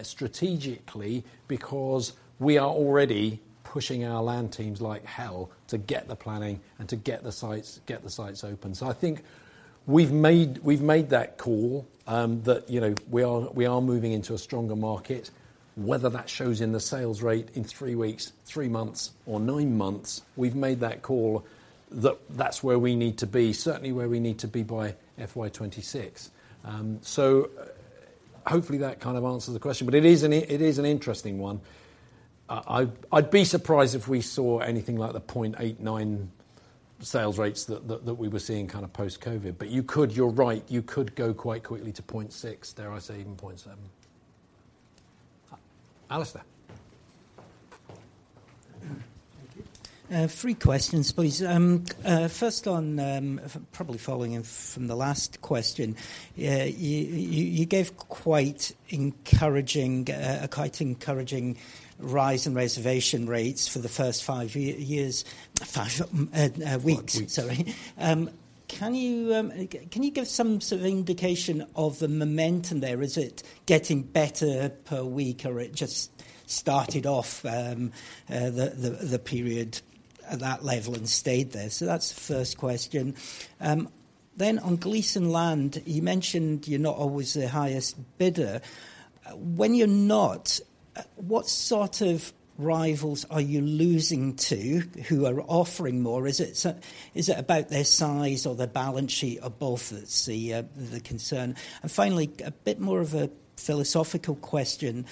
strategically because we are already pushing our land teams like hell to get the planning and to get the sites open. So I think we've made that call, that, you know, we are moving into a stronger market. Whether that shows in the sales rate in three weeks, three months, or nine months, we've made that call that that's where we need to be, certainly where we need to be by FY 2026. So hopefully that kind of answers the question. But it is an interesting one. I'd be surprised if we saw anything like the 0.89 sales rates that we were seeing kind of post-COVID. But you're right. You could go quite quickly to 0.6, dare I say even 0.7. Alastair? Thank you. Three questions, please. First on, probably following in from the last question, you gave quite encouraging rise in reservation rates for the first five weeks, sorry. Can you give some sort of indication of the momentum there? Is it getting better per week, or it just started off, the period at that level and stayed there? So that's the first question. Then on Gleeson Land, you mentioned you're not always the highest bidder. When you're not, what sort of rivals are you losing to who are offering more? Is it about their size or their balance sheet or both that's the concern? And finally, a bit more of a philosophical question.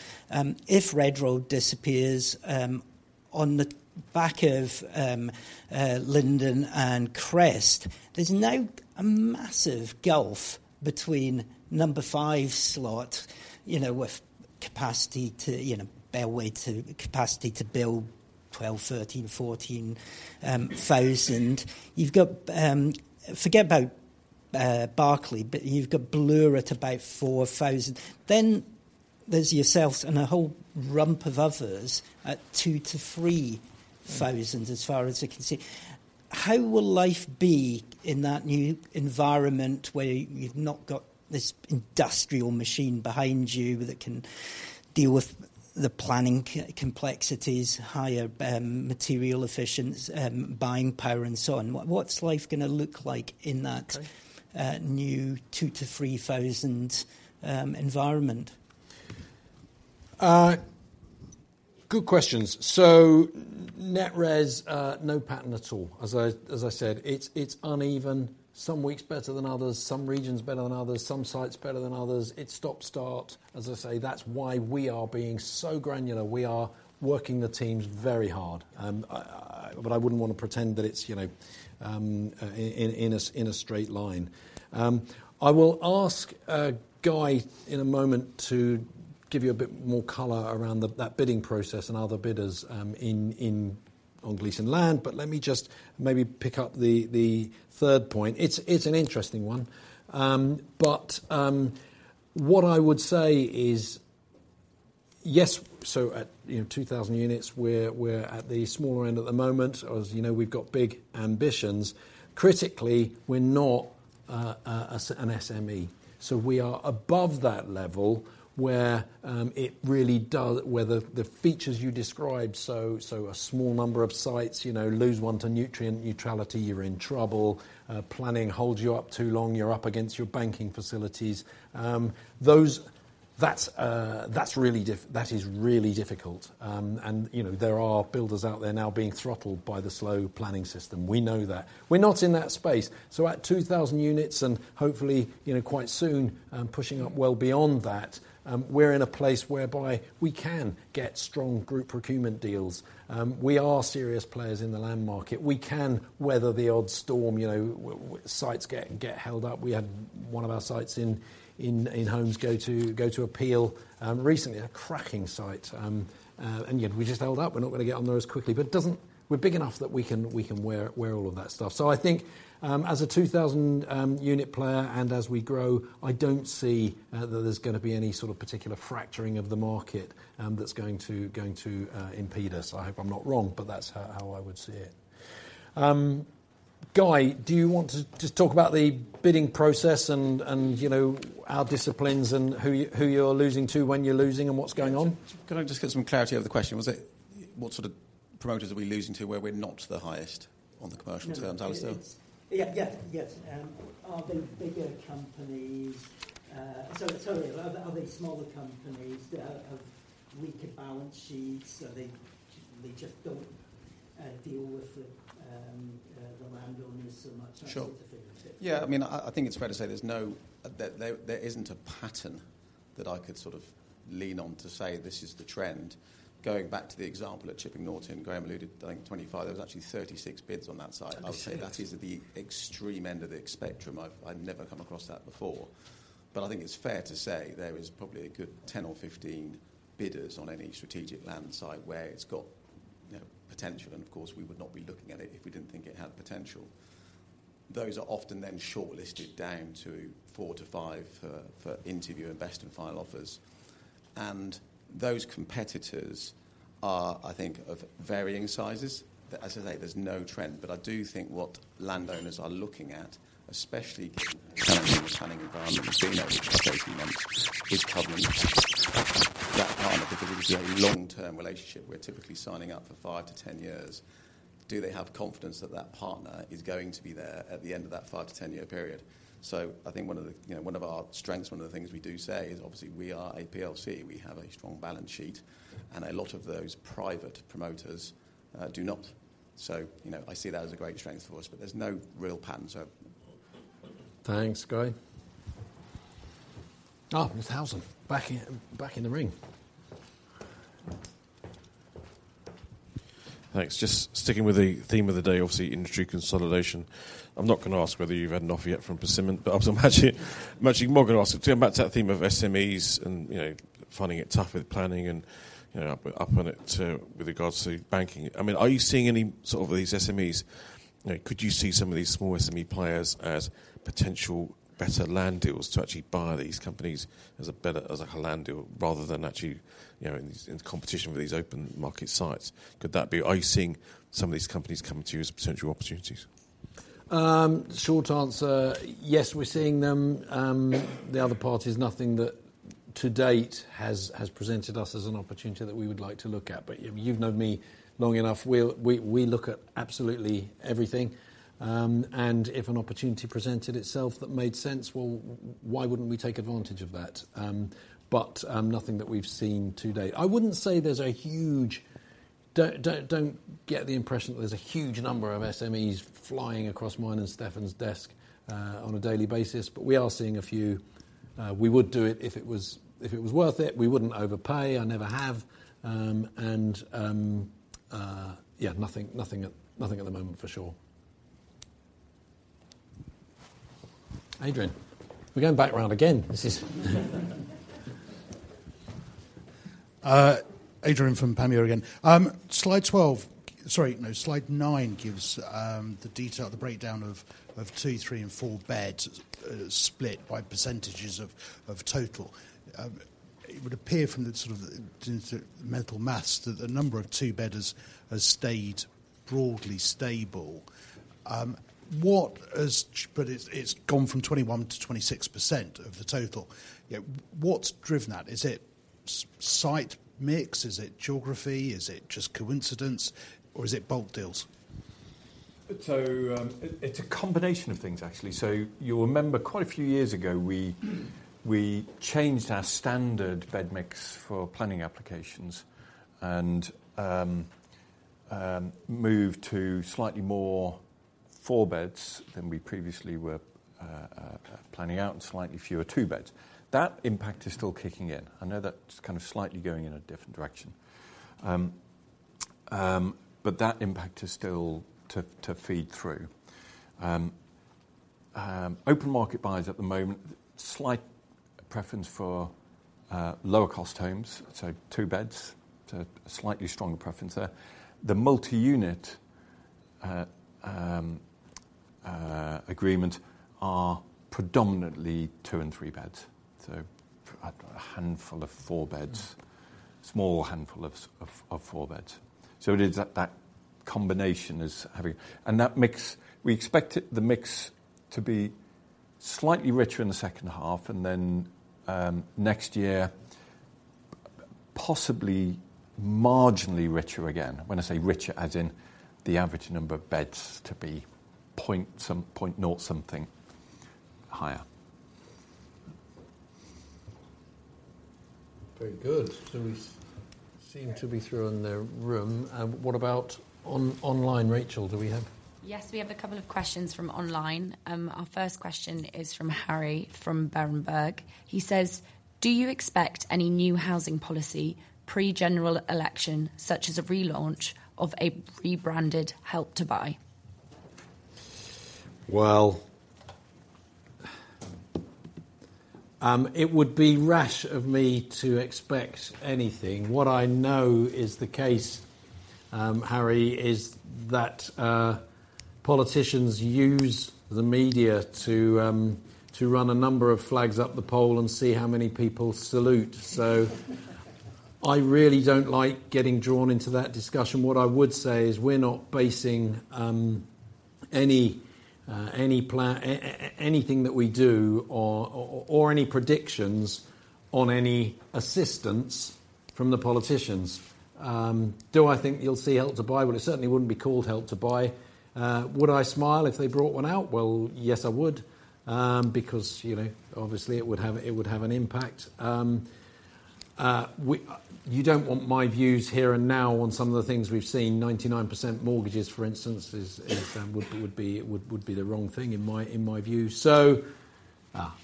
If Redrow disappears, on the back of Linden and Crest, there's now a massive gulf between number five slot, you know, with capacity to, you know, bear weight to capacity to build 12,000, 13,000, 14,000. You've got forget about Berkeley, but you've got Bloor at about 4,000. Then there's yourself and a whole rump of others at 2,000-3,000 as far as I can see. How will life be in that new environment where you've not got this industrial machine behind you that can deal with the planning complexities, higher material efficiency, buying power, and so on? What's life going to look like in that new 2,000-3,000 environment? Good questions. So net res, no pattern at all. As I said, it's uneven. Some weeks better than others. Some regions better than others. Some sites better than others. It's stop-start. As I say, that's why we are being so granular. We are working the teams very hard. But I wouldn't want to pretend that it's, you know, in a straight line. I will ask Guy in a moment to give you a bit more color around that bidding process and other bidders in on Gleeson Land. But let me just maybe pick up the third point. It's an interesting one. But what I would say is yes. So at, you know, 2,000 units, we're at the smaller end at the moment. As you know, we've got big ambitions. Critically, we're not an SME. So we are above that level where it really does where the features you described so a small number of sites, you know, lose one to nutrient neutrality, you're in trouble. Planning holds you up too long. You're up against your banking facilities. That's really difficult. And you know, there are builders out there now being throttled by the slow planning system. We know that. We're not in that space. So at 2,000 units and hopefully, you know, quite soon, pushing up well beyond that, we're in a place whereby we can get strong group procurement deals. We are serious players in the land market. We can weather the odd storm. You know, sites get held up. We had one of our sites in homes go to appeal recently, a cracking site. And yet we just held up. We're not going to get on there as quickly. But it doesn't. We're big enough that we can wear all of that stuff. So I think, as a 2,000-unit player and as we grow, I don't see that there's going to be any sort of particular fracturing of the market that's going to impede us. I hope I'm not wrong, but that's how I would see it. Guy, do you want to just talk about the bidding process and, you know, our disciplines and who you're losing to when you're losing and what's going on? Can I just get some clarity of the question? Was it what sort of promoters are we losing to where we're not the highest on the commercial terms, Alastair? Yes. Yeah. Yeah. Yes. Are they bigger companies? So sorry. Are they smaller companies that have weaker balance sheets? Are they just don't deal with the landowners so much? I'm trying to figure it out. Sure. Yeah. I mean, I think it's fair to say there's no that there isn't a pattern that I could sort of lean on to say this is the trend. Going back to the example at Chipping Norton, Graham alluded, I think, 25. There was actually 36 bids on that site. I would say that is at the extreme end of the spectrum. I've never come across that before. But I think it's fair to say there is probably a good 10 or 15 bidders on any strategic land site where it's got, you know, potential. And of course, we would not be looking at it if we didn't think it had potential. Those are often then shortlisted down to four to five for interview and best-in-file offers. And those competitors are, I think, of varying sizes. As I say, there's no trend. But I do think what landowners are looking at, especially given how challenging the planning environment has been over the past 18 months, is Cullen, that partner, because it is a long-term relationship. We're typically signing up for five to 10 years. Do they have confidence that that partner is going to be there at the end of that five- to 10-year period? So I think one of the you know, one of our strengths, one of the things we do say is obviously we are a PLC. We have a strong balance sheet. And a lot of those private promoters do not. So, you know, I see that as a great strength for us. But there's no real pattern. So. Thanks, Guy. Oh, Mark Howson back in the ring. Thanks. Just sticking with the theme of the day, obviously industry consolidation. I'm not going to ask whether you've had enough yet from Persimmon, but I also imagine you're more going to ask it too. I'm back to that theme of SMEs and, you know, finding it tough with planning and, you know, up on it with regards to banking. I mean, are you seeing any sort of these SMEs you know, could you see some of these small SME players as potential better land deals to actually buy these companies as a better as a land deal rather than actually, you know, in these in competition with these open-market sites? Could that be are you seeing some of these companies coming to you as potential opportunities? Short answer, yes, we're seeing them. The other part is nothing that to date has presented us as an opportunity that we would like to look at. But, you know, you've known me long enough. We'll look at absolutely everything. And if an opportunity presented itself that made sense, well, why wouldn't we take advantage of that? But, nothing that we've seen to date. I wouldn't say there's a huge number of SMEs flying across mine and Stefan's desk on a daily basis. But we are seeing a few. We would do it if it was worth it. We wouldn't overpay. I never have. Yeah, nothing at the moment, for sure. Adrian, we're going back around again. Adrian from Panmure again. Slide 12, sorry, no, Slide 9 gives the detail, the breakdown of two, three, and four beds, split by percentages of total. It would appear from the sort of the mental maths that the number of two-bedders has stayed broadly stable. What has, but it's gone from 21%-26% of the total. Yeah. What's driven that? Is it site mix? Is it geography? Is it just coincidence? Or is it bulk deals? So, it's a combination of things, actually. So you'll remember quite a few years ago, we changed our standard bed mix for planning applications and moved to slightly more four-beds than we previously were planning out and slightly fewer two-beds. That impact is still kicking in. I know that's kind of slightly going in a different direction, but that impact is still to feed through. Open-market buys at the moment, slight preference for lower-cost homes. So two-beds. So a slightly stronger preference there. The multi-unit agreements are predominantly two- and three-beds. So a handful of four-beds, small handful of four-beds. So it is that combination is having and that mix we expect the mix to be slightly richer in the second half and then, next year, possibly marginally richer again. When I say richer, as in the average number of beds to be point some point naught something higher. Very good. So we seem to be through in the room. And what about online, Rachel? Do we have? Yes, we have a couple of questions from online. Our first question is from Harry from Berenberg. He says, "Do you expect any new housing policy pre-General Election, such as a relaunch of a rebranded Help to Buy?" Well, it would be rash of me to expect anything. What I know is the case, Harry, is that politicians use the media to run a number of flags up the pole and see how many people salute. So I really don't like getting drawn into that discussion. What I would say is we're not basing any plan, anything that we do or any predictions on any assistance from the politicians. Do I think you'll see Help to Buy? Well, it certainly wouldn't be called Help to Buy. Would I smile if they brought one out? Well, yes, I would, because, you know, obviously it would have an impact. You don't want my views here and now on some of the things we've seen. 99% mortgages, for instance, would be the wrong thing in my view. So,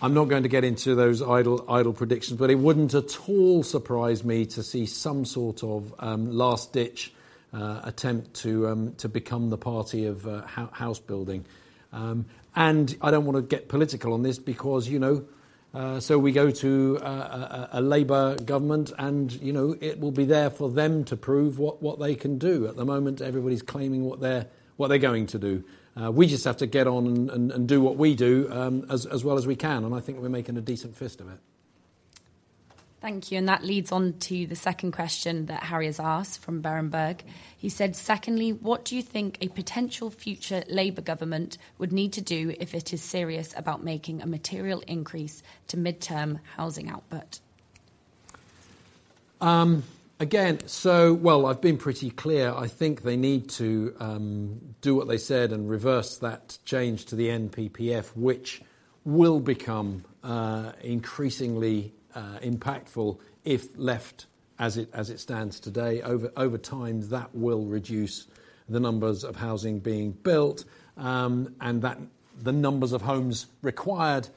I'm not going to get into those idle predictions. But it wouldn't at all surprise me to see some sort of last-ditch attempt to become the party of house building. And I don't want to get political on this because, you know, so we go to a Labour government and, you know, it will be there for them to prove what they can do. At the moment, everybody's claiming what they're going to do. We just have to get on and do what we do, as well as we can. And I think we're making a decent fist of it. Thank you. And that leads on to the second question that Harry has asked from Berenberg. He said, "Secondly, what do you think a potential future Labour government would need to do if it is serious about making a material increase to midterm housing output?" Again, well, I've been pretty clear. I think they need to do what they said and reverse that change to the NPPF, which will become increasingly impactful if left as it stands today. Over time, that will reduce the numbers of housing being built. And that the numbers of homes required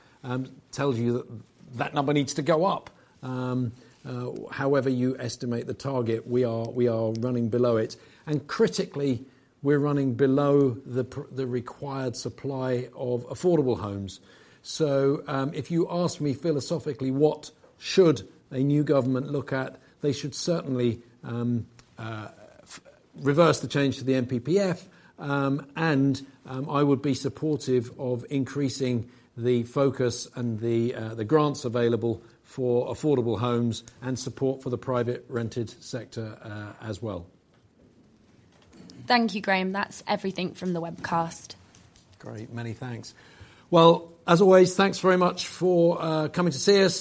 tells you that number needs to go up. However you estimate the target, we are running below it. And critically, we're running below the required supply of affordable homes. So, if you ask me philosophically what should a new government look at, they should certainly reverse the change to the NPPF. And I would be supportive of increasing the focus and the grants available for affordable homes and support for the private rented sector, as well. Thank you, Graham. That's everything from the webcast. Great. Many thanks. Well, as always, thanks very much for coming to see us.